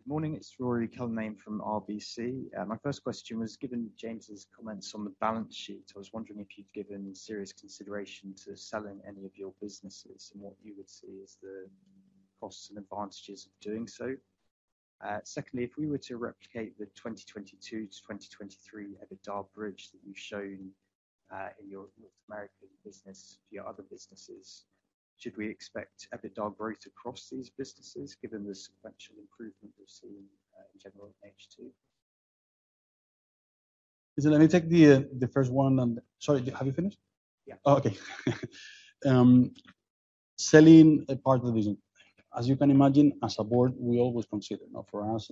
Good morning. It's Rory Kellman from RBC. My first question was, given James' comments on the balance sheet, I was wondering if you'd given serious consideration to selling any of your businesses and what you would see as the costs and advantages of doing so? Secondly, if we were to replicate the 2022 to 2023 EBITDA bridge that you've shown in your North American business for your other businesses, should we expect EBITDA growth across these businesses given the sequential improvement we've seen in general in H2? Let me take the first one and... Sorry, have you finished? Yeah. Okay. Selling a part of the business. As you can imagine, as a board, we always consider. For us,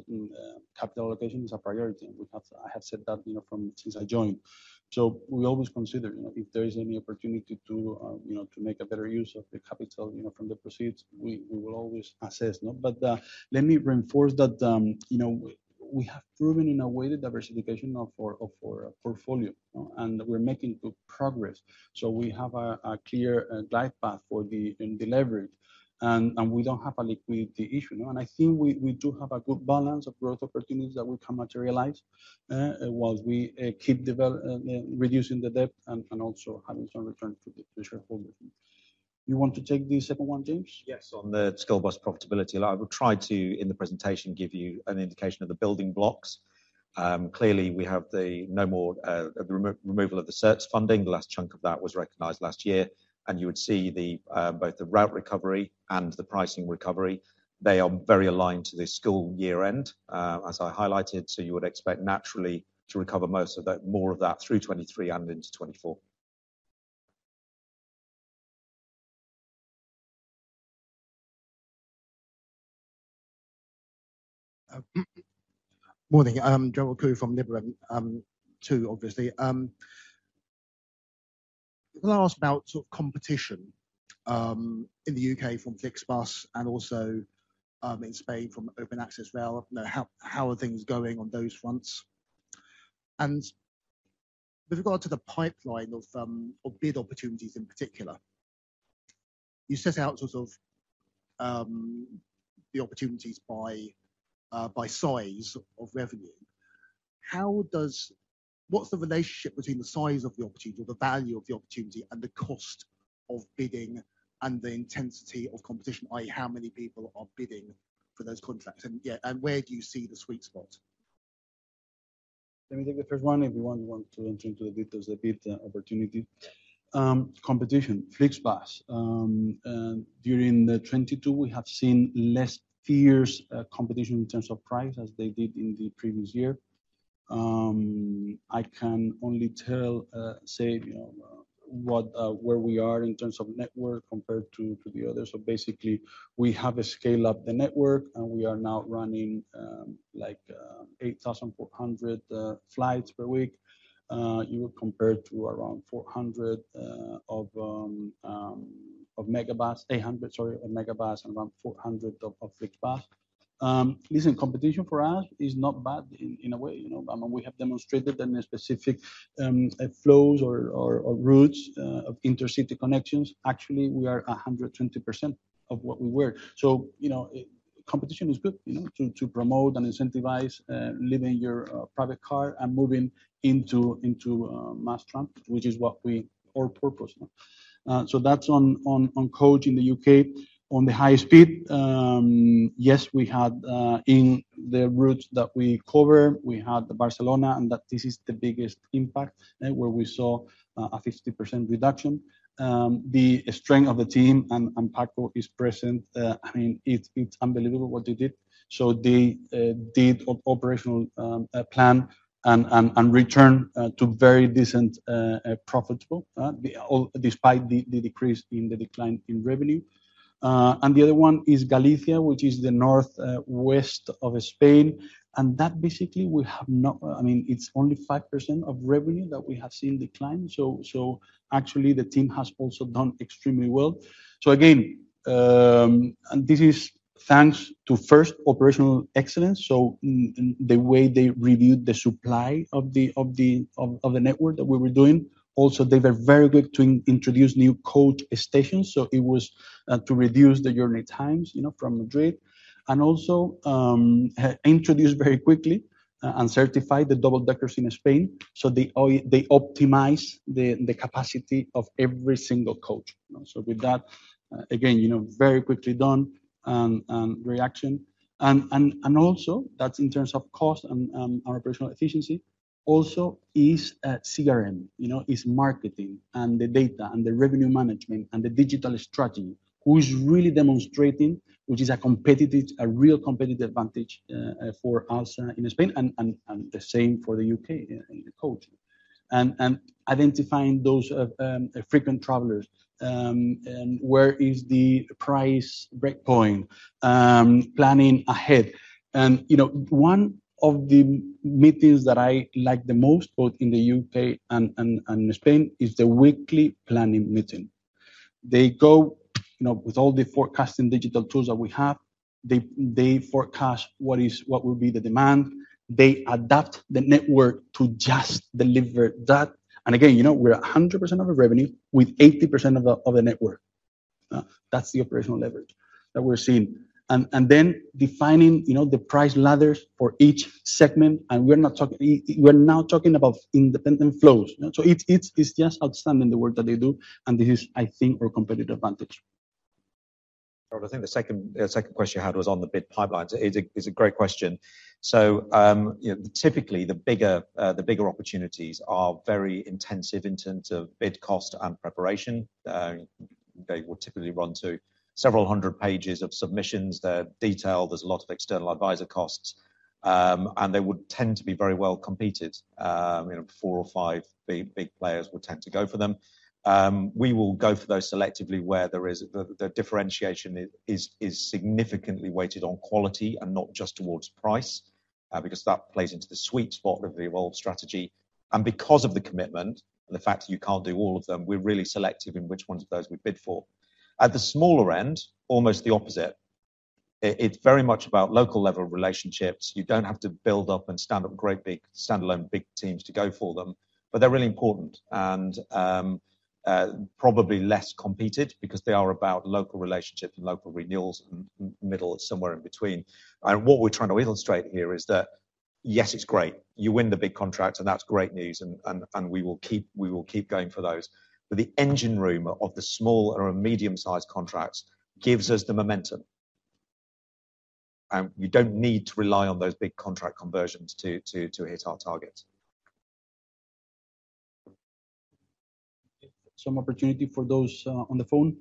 capital allocation is a priority, and I have said that, you know, from since I joined. We always consider, you know, if there is any opportunity to, you know, to make a better use of the capital, you know, from the proceeds, we will always assess, no? Let me reinforce that, you know, we have proven in a way the diversification of our portfolio, and we're making good progress. We have a clear glide path for the leverage, and we don't have a liquidity issue, no? I think we do have a good balance of growth opportunities that we can materialize, whilst we keep reducing the debt and also having some return to the shareholders. You want to take the second one, James? Yes. On the school bus profitability, I will try to, in the presentation, give you an indication of the building blocks. clearly we have the no more removal of the CERTS funding. The last chunk of that was recognized last year. you would see the both the route recovery and the pricing recovery. They are very aligned to the school year end, as I highlighted. You would expect naturally to recover most of that, more of that through 2023 and into 2024. Morning. I'm Gerald Khoo from Liberum, too obviously. Can I ask about competition in the U.K. from FlixBus and also in Spain from open access rail? You know, how are things going on those fronts? With regard to the pipeline of bid opportunities in particular, you set out the opportunities by size of revenue. What's the relationship between the size of the opportunity or the value of the opportunity and the cost of bidding and the intensity of competition? I.e., how many people are bidding for those contracts, and, yeah, and where do you see the sweet spot? Let me take the first one. If you want to enter into the details of bid opportunity. Competition, FlixBus. During 2022, we have seen less fierce competition in terms of price as they did in the previous year. I can only tell, you know, what where we are in terms of network compared to the others. Basically, we have a scale of the network, and we are now running, like 8,400 flights per week. You would compare to around 400 of megabus. 800, sorry, of megabus and around 400 of FlixBus. Listen, competition for us is not bad in a way, you know. I mean, we have demonstrated in a specific flows or routes of intercity connections. Actually, we are 120% of what we were. You know, competition is good, you know, to promote and incentivize leaving your private car and moving into mass transit, which is what we all purpose. That's on coach in the U.K. On the high speed, yes, we had in the routes that we cover, we had Barcelona, and that this is the biggest impact, where we saw a 50% reduction. The strength of the team and Paco is present. I mean, it's unbelievable what they did. They did operational plan and return to very decent profitable, all despite the decrease in the decline in revenue. The other one is Galicia, which is the north west of Spain. Basically, I mean, it's only 5% of revenue that we have seen decline. Actually, the team has also done extremely well. This is thanks to first operational excellence. The way they reviewed the supply of the network that we were doing. Also, they were very good to introduce new coach stations, so it was to reduce the journey times, you know, from Madrid. Introduced very quickly and certified the double-deckers in Spain. They optimize the capacity of every single coach. With that, again, you know, very quickly done and reaction. Also that's in terms of cost and operational efficiency also is CRM. You know, is marketing and the data and the revenue management and the digital strategy, who is really demonstrating, which is a competitive, a real competitive advantage for us in Spain and the same for the U.K. In the coaching. Identifying those frequent travelers, and where is the price break point, planning ahead. You know, one of the meetings that I like the most, both in the U.K., and Spain, is the weekly planning meeting. They go, you know, with all the forecasting digital tools that we have. They forecast what is, what will be the demand. They adapt the network to just deliver that. Again, you know, we're at 100% of the revenue with 80% of the network. That's the operational leverage that we're seeing. Then defining, you know, the price ladders for each segment. We're not talking. We're now talking about independent flows. It's just outstanding the work that they do, and this is, I think, our competitive advantage. I think the second question you had was on the bid pipelines. It's a great question. You know, typically the bigger opportunities are very intensive in terms of bid cost and preparation. They will typically run to several hundred pages of submissions. They're detailed. There's a lot of external advisor costs. They would tend to be very well competed. You know, four or five big players would tend to go for them. We will go for those selectively where there is the differentiation is significantly weighted on quality and not just towards price, because that plays into the sweet spot of the Evolve strategy. Because of the commitment and the fact that you can't do all of them, we're really selective in which ones of those we bid for. At the smaller end, almost the opposite. It's very much about local level relationships. You don't have to build up and stand up great big, standalone big teams to go for them, but they're really important and probably less competed because they are about local relationships and local renewals and middle, somewhere in between. What we're trying to illustrate here is that, yes, it's great. You win the big contracts, and that's great news, and we will keep going for those. The engine room of the small or medium-sized contracts gives us the momentum. We don't need to rely on those big contract conversions to hit our targets. Some opportunity for those on the phone.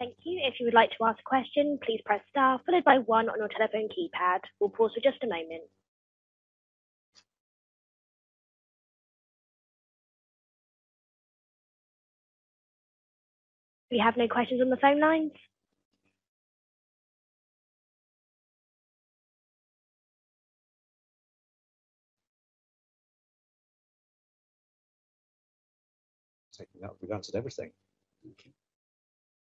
Thank you. If you would like to ask a question, please press star followed by one on your telephone keypad. We'll pause for just a moment. We have no questions on the phone lines. Taking that, we've answered everything. Okay.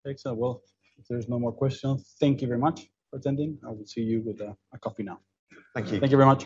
Excellent. Well, if there's no more questions, thank you very much for attending. I will see you with a coffee now. Thank you. Thank you very much.